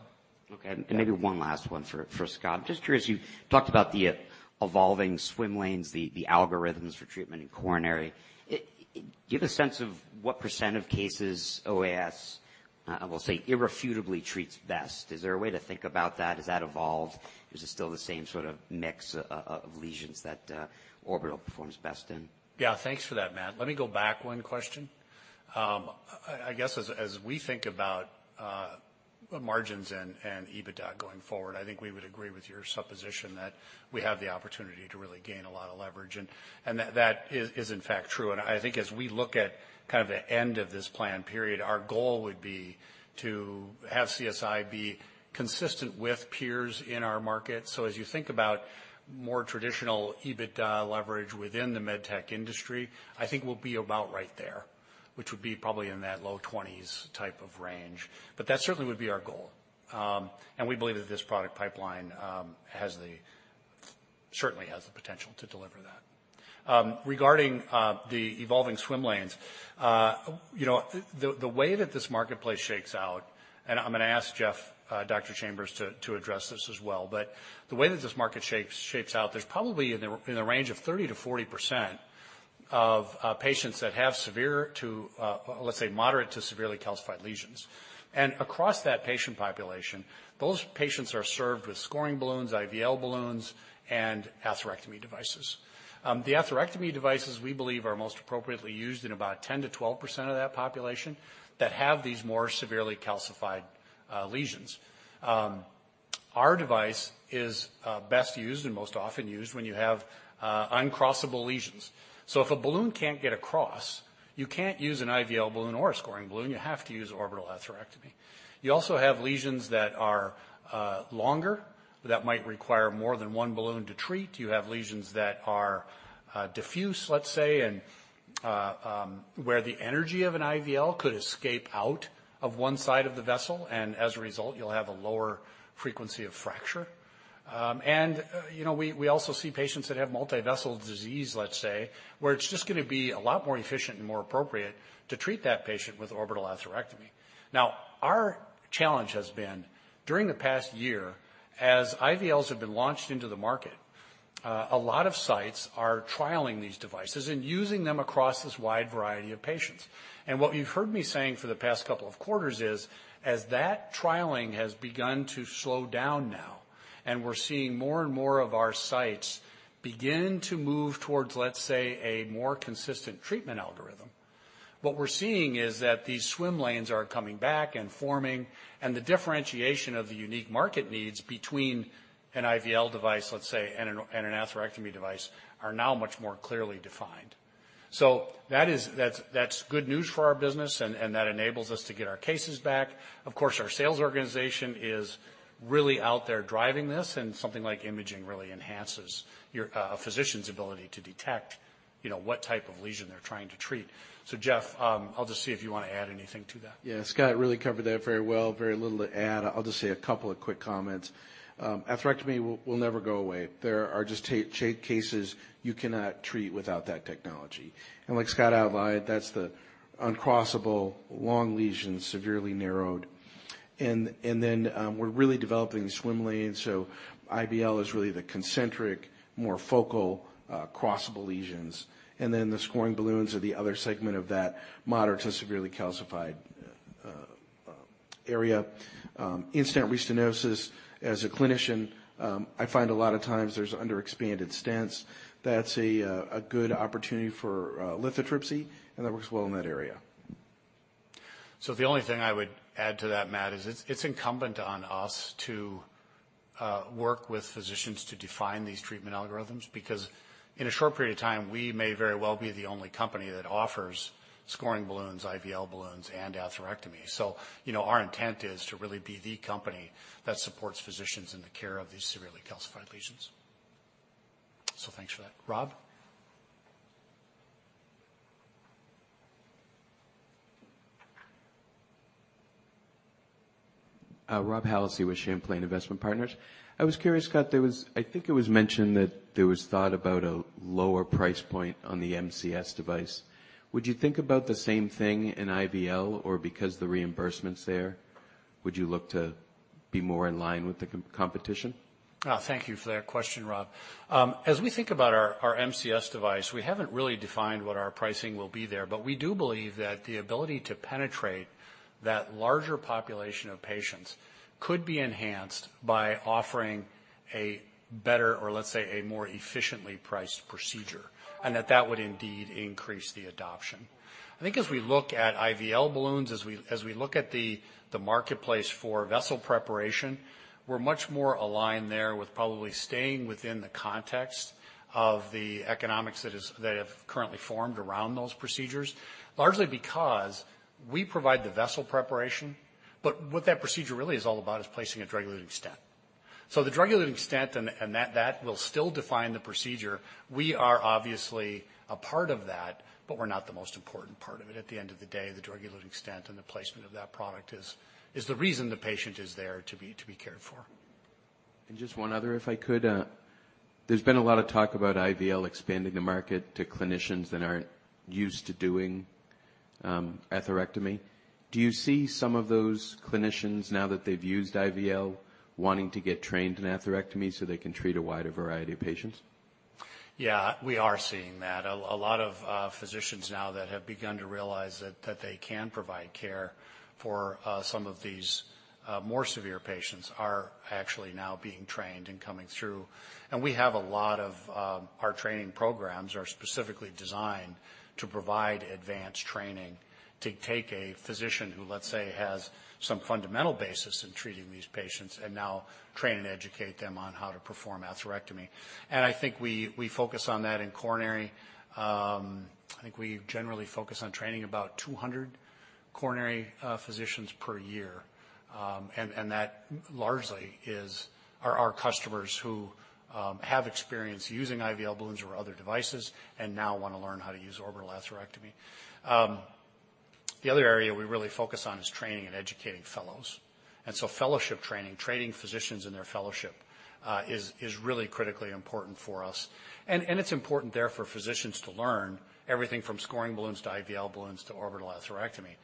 Okay. Maybe one last one for Scott. Just curious, you talked about the evolving swim lanes, the algorithms for treatment in coronary. Do you have a sense of what percent of cases OAS, I will say, irrefutably treats best? Is there a way to think about that? Has that evolved? Is it still the same sort of mix of lesions that orbital performs best in? Yeah. Thanks for that, Matt. Let me go back one question. I guess as we think about margins and EBITDA going forward, I think we would agree with your supposition that we have the opportunity to really gain a lot of leverage, and that is in fact true. I think as we look at kind of the end of this plan period, our goal would be to have CSI be consistent with peers in our market. As you think about more traditional EBITDA leverage within the med tech industry, I think we'll be about right there, which would be probably in that low 20s% range. That certainly would be our goal. We believe that this product pipeline has the potential to deliver that. Regarding the evolving swim lanes, you know, the way that this marketplace shakes out, and I'm gonna ask Jeff, Dr. Jeff Chambers to address this as well, but the way that this market shapes out, there's probably in the range of 30%-40% of patients that have severe to, let's say moderate to severely calcified lesions. Across that patient population, those patients are served with scoring balloons, IVL balloons and atherectomy devices. The atherectomy devices, we believe, are most appropriately used in about 10%-12% of that population that have these more severely calcified lesions. Our device is best used and most often used when you have uncrossable lesions. If a balloon can't get across, you can't use an IVL balloon or a scoring balloon, you have to use orbital atherectomy. You also have lesions that are longer, that might require more than one balloon to treat. You have lesions that are diffuse, let's say, and where the energy of an IVL could escape out of one side of the vessel, and as a result, you'll have a lower frequency of fracture. You know, we also see patients that have multi-vessel disease, let's say, where it's just gonna be a lot more efficient and more appropriate to treat that patient with orbital atherectomy. Now, our challenge has been during the past year, as IVLs have been launched into the market, a lot of sites are trialing these devices and using them across this wide variety of patients. What you've heard me saying for the past couple of quarters is, as that trialing has begun to slow down now, and we're seeing more and more of our sites begin to move towards, let's say, a more consistent treatment algorithm, what we're seeing is that these swim lanes are coming back and forming, and the differentiation of the unique market needs between an IVL device, let's say, and an atherectomy device, are now much more clearly defined. That's good news for our business, and that enables us to get our cases back. Of course, our sales organization is really out there driving this, and something like imaging really enhances a physician's ability to detect, you know, what type of lesion they're trying to treat. Jeff, I'll just see if you wanna add anything to that. Yeah. Scott really covered that very well. Very little to add. I'll just say a couple of quick comments. Atherectomy will never go away. There are just tough cases you cannot treat without that technology. Like Scott outlined, that's the uncrossable long lesions, severely narrowed. We're really developing the swim lanes, so IVL is really the concentric, more focal, crossable lesions. The scoring balloons are the other segment of that moderate to severely calcified area. In-stent restenosis. As a clinician, I find a lot of times there's under-expanded stents. That's a good opportunity for lithotripsy, and that works well in that area. The only thing I would add to that, Matt, is it's incumbent on us to work with physicians to define these treatment algorithms, because in a short period of time, we may very well be the only company that offers scoring balloons, IVL balloons, and atherectomy. You know, our intent is to really be the company that supports physicians in the care of these severely calcified lesions. Thanks for that. Rob? Rob Hallisey with Champlain Investment Partners. I was curious, Scott, I think it was mentioned that there was thought about a lower price point on the MCS device. Would you think about the same thing in IVL, or because the reimbursement's there, would you look to be more in line with the competition? Thank you for that question, Rob. As we think about our MCS device, we haven't really defined what our pricing will be there, but we do believe that the ability to penetrate that larger population of patients could be enhanced by offering a better, or let's say a more efficiently priced procedure, and that would indeed increase the adoption. I think as we look at IVL balloons, as we look at the marketplace for vessel preparation, we're much more aligned there with probably staying within the context of the economics that have currently formed around those procedures, largely because we provide the vessel preparation, but what that procedure really is all about is placing a drug-eluting stent. The drug-eluting stent and that will still define the procedure. We are obviously a part of that, but we're not the most important part of it. At the end of the day, the drug-eluting stent and the placement of that product is the reason the patient is there to be cared for. Just one other, if I could, there's been a lot of talk about IVL expanding the market to clinicians that aren't used to doing atherectomy. Do you see some of those clinicians now that they've used IVL wanting to get trained in atherectomy so they can treat a wider variety of patients? Yeah, we are seeing that. A lot of physicians now that have begun to realize that they can provide care for some of these more severe patients are actually now being trained and coming through. We have a lot of our training programs are specifically designed to provide advanced training to take a physician who, let's say, has some fundamental basis in treating these patients and now train and educate them on how to perform atherectomy. I think we focus on that in coronary. I think we generally focus on training about 200 coronary physicians per year. That largely are customers who have experience using IVL balloons or other devices and now wanna learn how to use orbital atherectomy. The other area we really focus on is training and educating fellows. Fellowship training physicians in their fellowship, is really critically important for us. It's important there for physicians to learn everything from scoring balloons to IVL balloons to orbital atherectomy.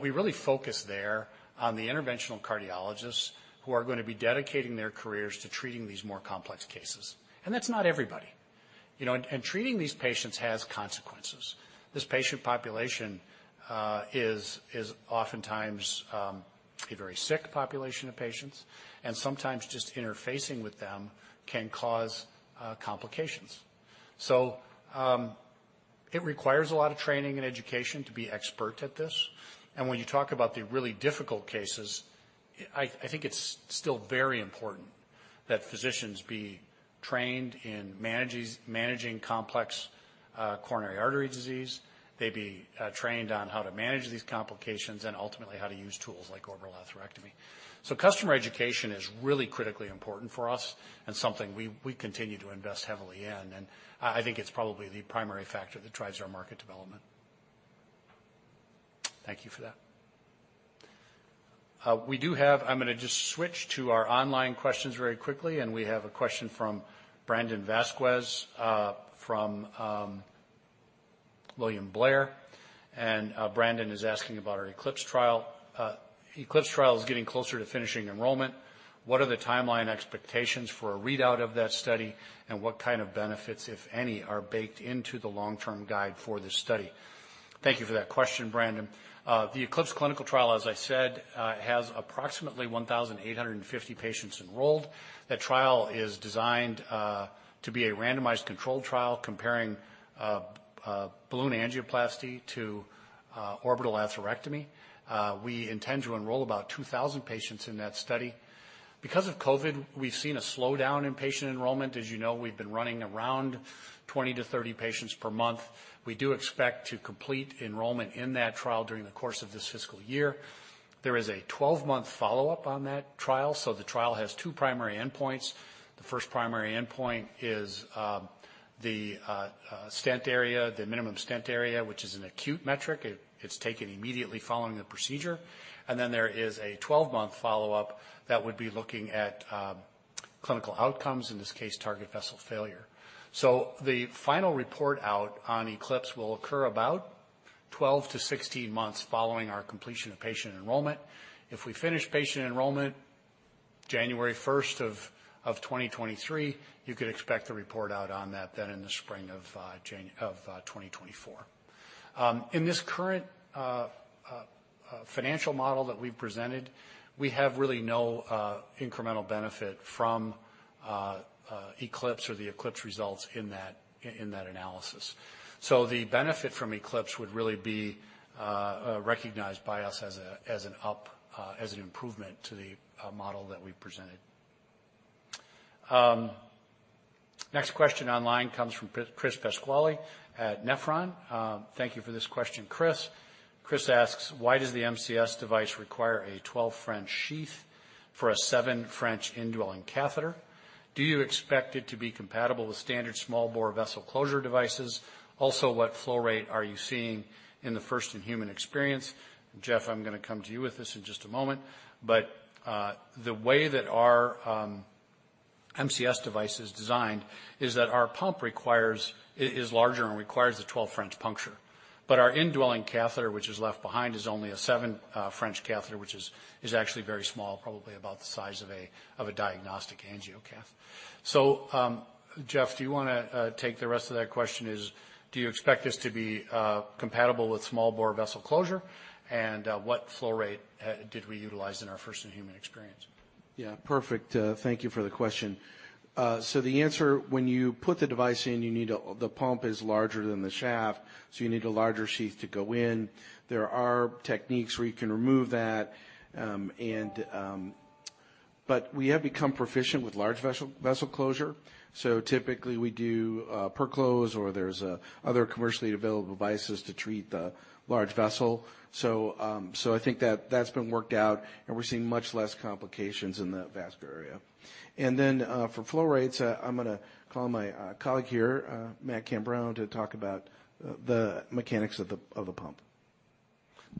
We really focus there on the interventional cardiologists who are gonna be dedicating their careers to treating these more complex cases. That's not everybody, you know. Treating these patients has consequences. This patient population is oftentimes a very sick population of patients, and sometimes just interfacing with them can cause complications. It requires a lot of training and education to be expert at this. When you talk about the really difficult cases, I think it's still very important that physicians be trained in managing complex coronary artery disease, they be trained on how to manage these complications, and ultimately, how to use tools like orbital atherectomy. Customer education is really critically important for us and something we continue to invest heavily in. I think it's probably the primary factor that drives our market development. Thank you for that. We do have. I'm gonna just switch to our online questions very quickly, and we have a question from Brandon Vazquez from William Blair, and Brandon is asking about our ECLIPSE trial. "ECLIPSE trial is getting closer to finishing enrollment. What are the timeline expectations for a readout of that study, and what kind of benefits, if any, are baked into the long-term guide for this study?" Thank you for that question, Brandon. The ECLIPSE clinical trial, as I said, has approximately 1,850 patients enrolled. That trial is designed to be a randomized controlled trial comparing balloon angioplasty to orbital atherectomy. We intend to enroll about 2,000 patients in that study. Because of COVID, we've seen a slowdown in patient enrollment. As you know, we've been running around 20-30 patients per month. We do expect to complete enrollment in that trial during the course of this fiscal year. There is a 12-month follow-up on that trial, so the trial has two primary endpoints. The first primary endpoint is the stent area, the minimum stent area, which is an acute metric. It's taken immediately following the procedure. There is a 12-month follow-up that would be looking at clinical outcomes, in this case, target vessel failure. The final report out on ECLIPSE will occur about 12-16 months following our completion of patient enrollment. If we finish patient enrollment January first of 2023, you could expect the report out on that then in the spring of 2024. In this current financial model that we've presented, we have really no incremental benefit from ECLIPSE or the ECLIPSE results in that analysis. The benefit from ECLIPSE would really be recognized by us as an improvement to the model that we presented. Next question online comes from Chris Pasquale at Nephron. Thank you for this question, Chris. Chris asks, "Why does the MCS device require a 12 French sheath for a 7 French indwelling catheter? Do you expect it to be compatible with standard small-bore vessel closure devices? Also, what flow rate are you seeing in the first-in-human experience?" Jeff, I'm gonna come to you with this in just a moment. The way that our MCS device is designed is that our pump is larger and requires a 12 French puncture. Our indwelling catheter, which is left behind, is only a 7 French catheter, which is actually very small, probably about the size of a diagnostic angiocath. Jeff, do you wanna take the rest of that question? Is do you expect this to be compatible with small-bore vessel closure, and what flow rate did we utilize in our first-in-human experience? Yeah. Perfect. Thank you for the question. The answer, when you put the device in, you need a... The pump is larger than the shaft, so you need a larger sheath to go in. There are techniques where you can remove that. But we have become proficient with large vessel closure. Typically we do Perclose or there's other commercially available devices to treat the large vessel. I think that that's been worked out, and we're seeing much less complications in the vascular area. For flow rates, I'm gonna call my colleague here, Matt Cambron, to talk about the mechanics of the pump.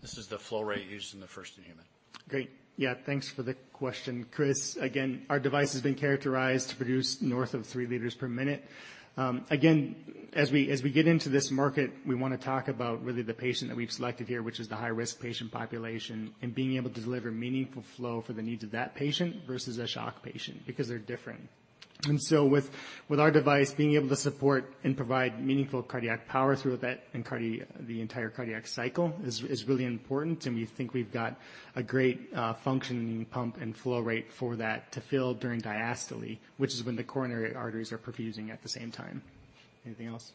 This is the flow rate used in the first in human. Great. Yeah, thanks for the question, Chris. Again, our device has been characterized to produce north of 3 liters per minute. Again, as we get into this market, we wanna talk about really the patient that we've selected here, which is the high-risk patient population, and being able to deliver meaningful flow for the needs of that patient versus a shock patient, because they're different. With our device, being able to support and provide meaningful cardiac power through that in the entire cardiac cycle is really important, and we think we've got a great functioning pump and flow rate for that to fill during diastole, which is when the coronary arteries are perfusing at the same time. Anything else?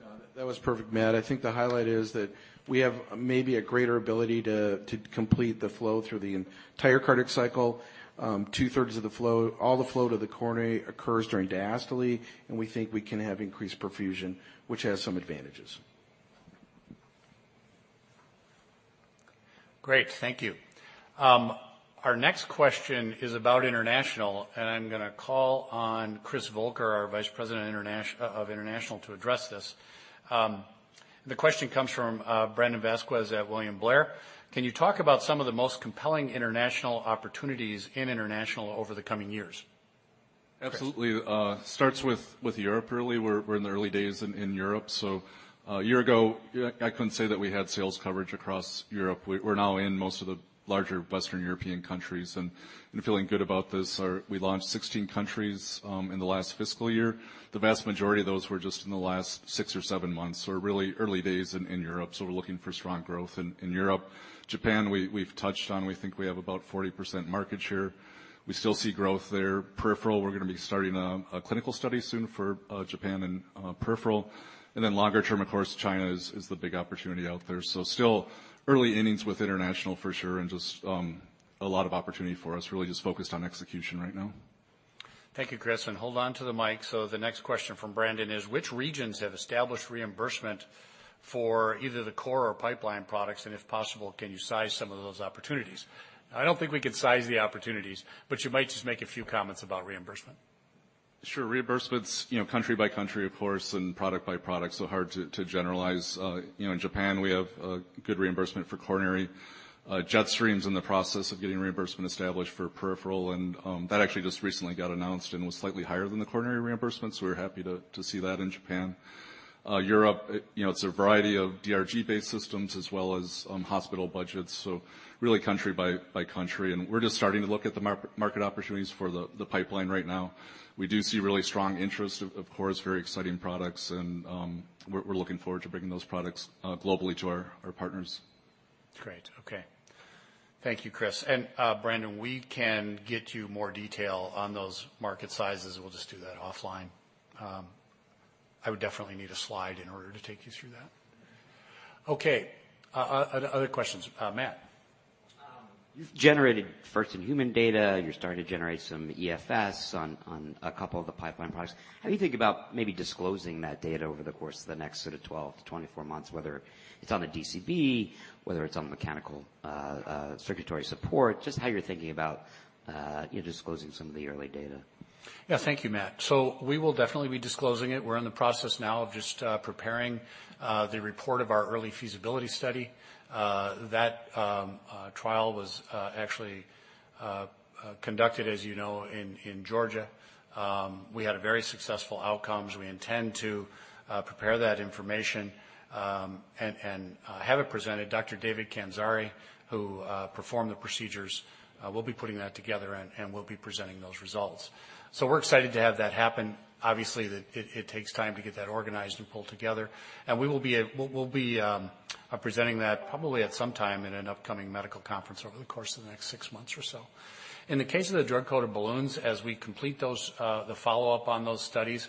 No, that was perfect, Matt. I think the highlight is that we have maybe a greater ability to complete the flow through the entire cardiac cycle. Two-thirds of the flow, all the flow to the coronary occurs during diastole, and we think we can have increased perfusion, which has some advantages. Great. Thank you. Our next question is about international, and I'm gonna call on Chris Volker, our Vice President of International to address this. The question comes from Brandon Vasquez at William Blair. Can you talk about some of the most compelling international opportunities in international over the coming years? Absolutely. It starts with Europe really. We're in the early days in Europe. A year ago, I couldn't say that we had sales coverage across Europe. We're now in most of the larger Western European countries and feeling good about this. We launched 16 countries in the last fiscal year. The vast majority of those were just in the last six or seven months, so we're really early days in Europe, so we're looking for strong growth in Europe. Japan, we've touched on. We think we have about 40% market share. We still see growth there. Peripheral, we're gonna be starting a clinical study soon for Japan and peripheral. Then longer term, of course, China is the big opportunity out there. Still early innings with international for sure and just a lot of opportunity for us, really just focused on execution right now. Thank you, Chris, and hold on to the mic. The next question from Brandon is, which regions have established reimbursement for either the core or pipeline products? And if possible, can you size some of those opportunities? I don't think we could size the opportunities, but you might just make a few comments about reimbursement. Sure. Reimbursements, you know, country by country, of course, and product by product, so hard to generalize. You know, in Japan, we have good reimbursement for coronary. Jetstream's in the process of getting reimbursement established for peripheral and that actually just recently got announced and was slightly higher than the coronary reimbursements. We're happy to see that in Japan. Europe, you know, it's a variety of DRG-based systems as well as hospital budgets, so really country by country. We're just starting to look at the market opportunities for the pipeline right now. We do see really strong interest, of course, very exciting products, and we're looking forward to bringing those products globally to our partners. Great. Okay. Thank you, Chris. Brandon, we can get you more detail on those market sizes. We'll just do that offline. I would definitely need a slide in order to take you through that. Okay. Other questions. Matt? You've generated first-in-human data. You're starting to generate some EFS on a couple of the pipeline products. How do you think about maybe disclosing that data over the course of the next sort of 12-24 months, whether it's on a DCB, whether it's on mechanical circulatory support, just how you're thinking about your disclosing some of the early data? Yeah. Thank you, Matt. We will definitely be disclosing it. We're in the process now of preparing the report of our early feasibility study. That trial was actually conducted, as you know, in Georgia. We had very successful outcomes. We intend to prepare that information and have it presented. Dr. David Kandzari, who performed the procedures, will be putting that together and will be presenting those results. We're excited to have that happen. Obviously, it takes time to get that organized and pulled together. We'll be presenting that probably at some time in an upcoming medical conference over the course of the next six months or so. In the case of the drug-coated balloons, as we complete those, the follow-up on those studies,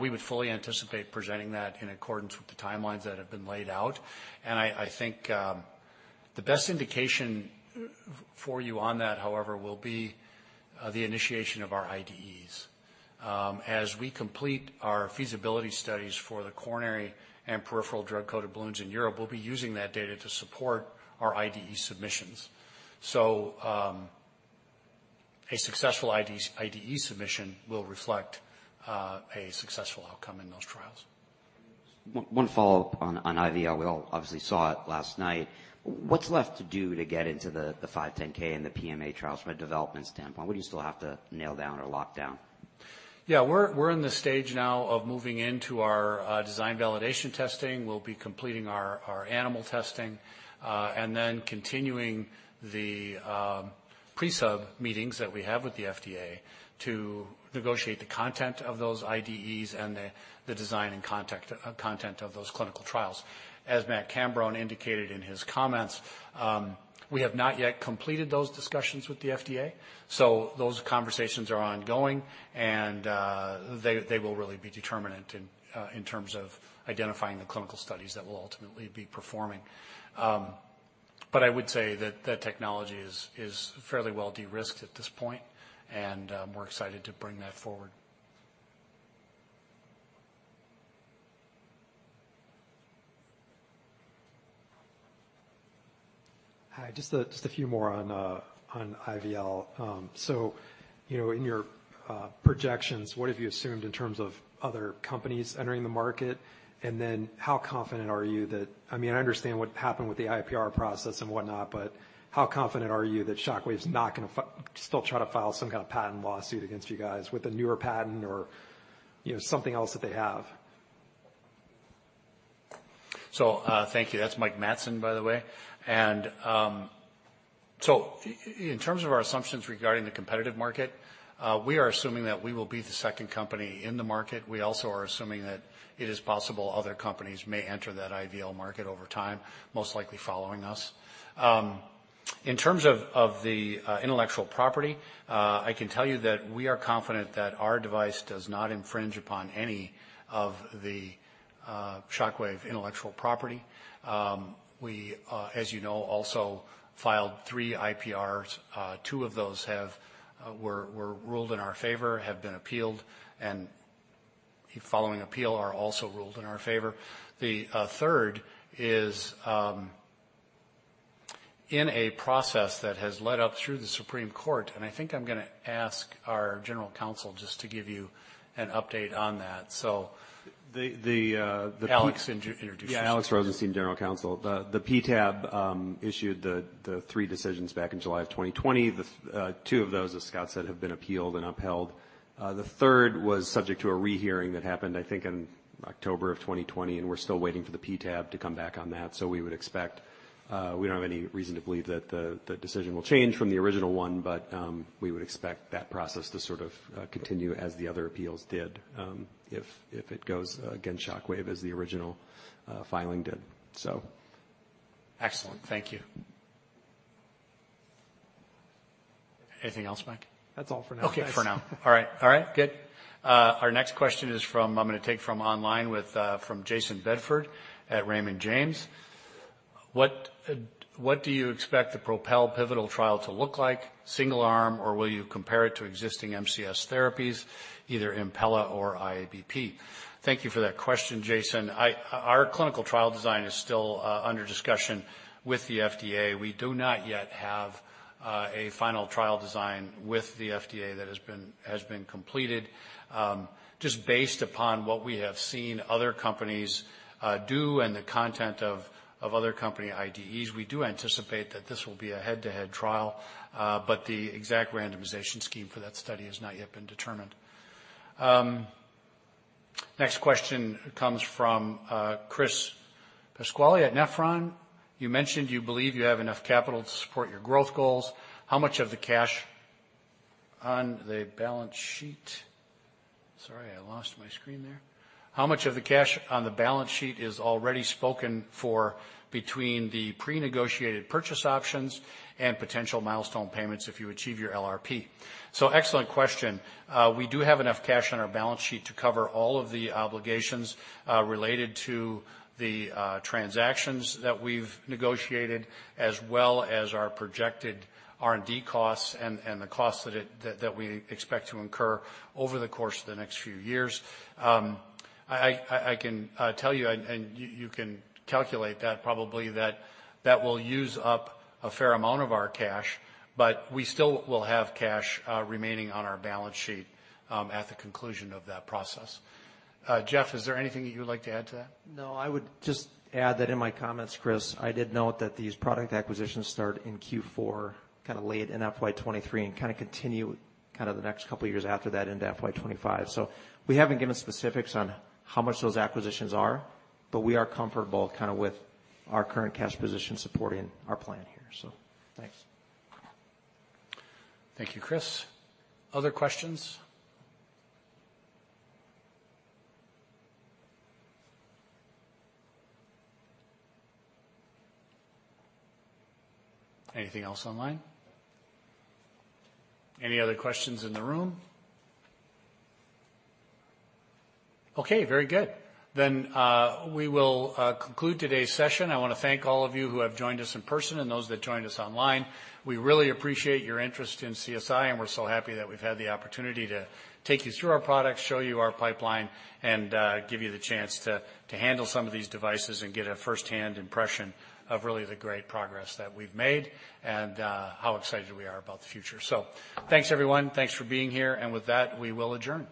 we would fully anticipate presenting that in accordance with the timelines that have been laid out. I think the best indication for you on that, however, will be the initiation of our IDEs. As we complete our feasibility studies for the coronary and peripheral drug-coated balloons in Europe, we'll be using that data to support our IDE submissions. A successful IDE submission will reflect a successful outcome in those trials. One follow-up on IVL. We all obviously saw it last night. What's left to do to get into the 510(k) and the PMA trials from a development standpoint? What do you still have to nail down or lock down? Yeah. We're in the stage now of moving into our design validation testing. We'll be completing our animal testing and then continuing the pre-sub meetings that we have with the FDA to negotiate the content of those IDEs and the design and content of those clinical trials. As Matt Cambron indicated in his comments, we have not yet completed those discussions with the FDA. Those conversations are ongoing, and they will really be determinant in terms of identifying the clinical studies that we'll ultimately be performing. I would say that technology is fairly well de-risked at this point, and we're excited to bring that forward. Hi, just a few more on IVL. So, you know, in your projections, what have you assumed in terms of other companies entering the market? Then how confident are you that I mean, I understand what happened with the IPR process and whatnot, but how confident are you that Shockwave's not gonna still try to file some kind of patent lawsuit against you guys with a newer patent or, you know, something else that they have? Thank you. That's Mike Matson, by the way. In terms of our assumptions regarding the competitive market, we are assuming that we will be the second company in the market. We also are assuming that it is possible other companies may enter that IVL market over time, most likely following us. In terms of the intellectual property, I can tell you that we are confident that our device does not infringe upon any of the Shockwave intellectual property. As you know, we also filed three IPRs. Two of those were ruled in our favor, have been appealed and the following appeal are also ruled in our favor. The third is in a process that has led up through the Supreme Court, and I think I'm gonna ask our General Counsel just to give you an update on that. The, the, uh, the- Alex, introduce yourself. Yeah. Alex Rosenstein, General Counsel. The PTAB issued the three decisions back in July of 2020. The two of those, as Scott said, have been appealed and upheld. The third was subject to a rehearing that happened, I think, in October of 2020, and we're still waiting for the PTAB to come back on that. We would expect. We don't have any reason to believe that the decision will change from the original one, but we would expect that process to sort of continue as the other appeals did, if it goes against Shockwave as the original filing did. Excellent. Thank you. Anything else, Mike? That's all for now. Okay. For now. All right, good. Our next question is from online with Jayson Bedford at Raymond James. "What do you expect the PROPEL pivotal trial to look like? Single arm, or will you compare it to existing MCS therapies, either Impella or IABP?" Thank you for that question, Jayson. Our clinical trial design is still under discussion with the FDA. We do not yet have a final trial design with the FDA that has been completed. Just based upon what we have seen other companies do and the content of other company IDEs, we do anticipate that this will be a head-to-head trial. But the exact randomization scheme for that study has not yet been determined. Next question comes from Chris Pasquale at Nephron. You mentioned you believe you have enough capital to support your growth goals. How much of the cash on the balance sheet is already spoken for between the pre-negotiated purchase options and potential milestone payments if you achieve your LRP? Excellent question. We do have enough cash on our balance sheet to cover all of the obligations related to the transactions that we've negotiated as well as our projected R&D costs and the costs that we expect to incur over the course of the next few years. I can tell you and you can calculate that probably that will use up a fair amount of our cash, but we still will have cash remaining on our balance sheet at the conclusion of that process. Jeff, is there anything that you would like to add to that? No, I would just add that in my comments, Chris, I did note that these product acquisitions start in Q4, kind of late in FY 2023, and kind of continue kind of the next couple of years after that into FY 2025. We haven't given specifics on how much those acquisitions are, but we are comfortable kind of with our current cash position supporting our plan here. Thanks. Thank you, Chris. Other questions? Anything else online? Any other questions in the room? Okay, very good. Then we will conclude today's session. I wanna thank all of you who have joined us in person and those that joined us online. We really appreciate your interest in CSI, and we're so happy that we've had the opportunity to take you through our products, show you our pipeline, and give you the chance to handle some of these devices and get a first-hand impression of really the great progress that we've made and how excited we are about the future. So thanks, everyone. Thanks for being here. With that, we will adjourn.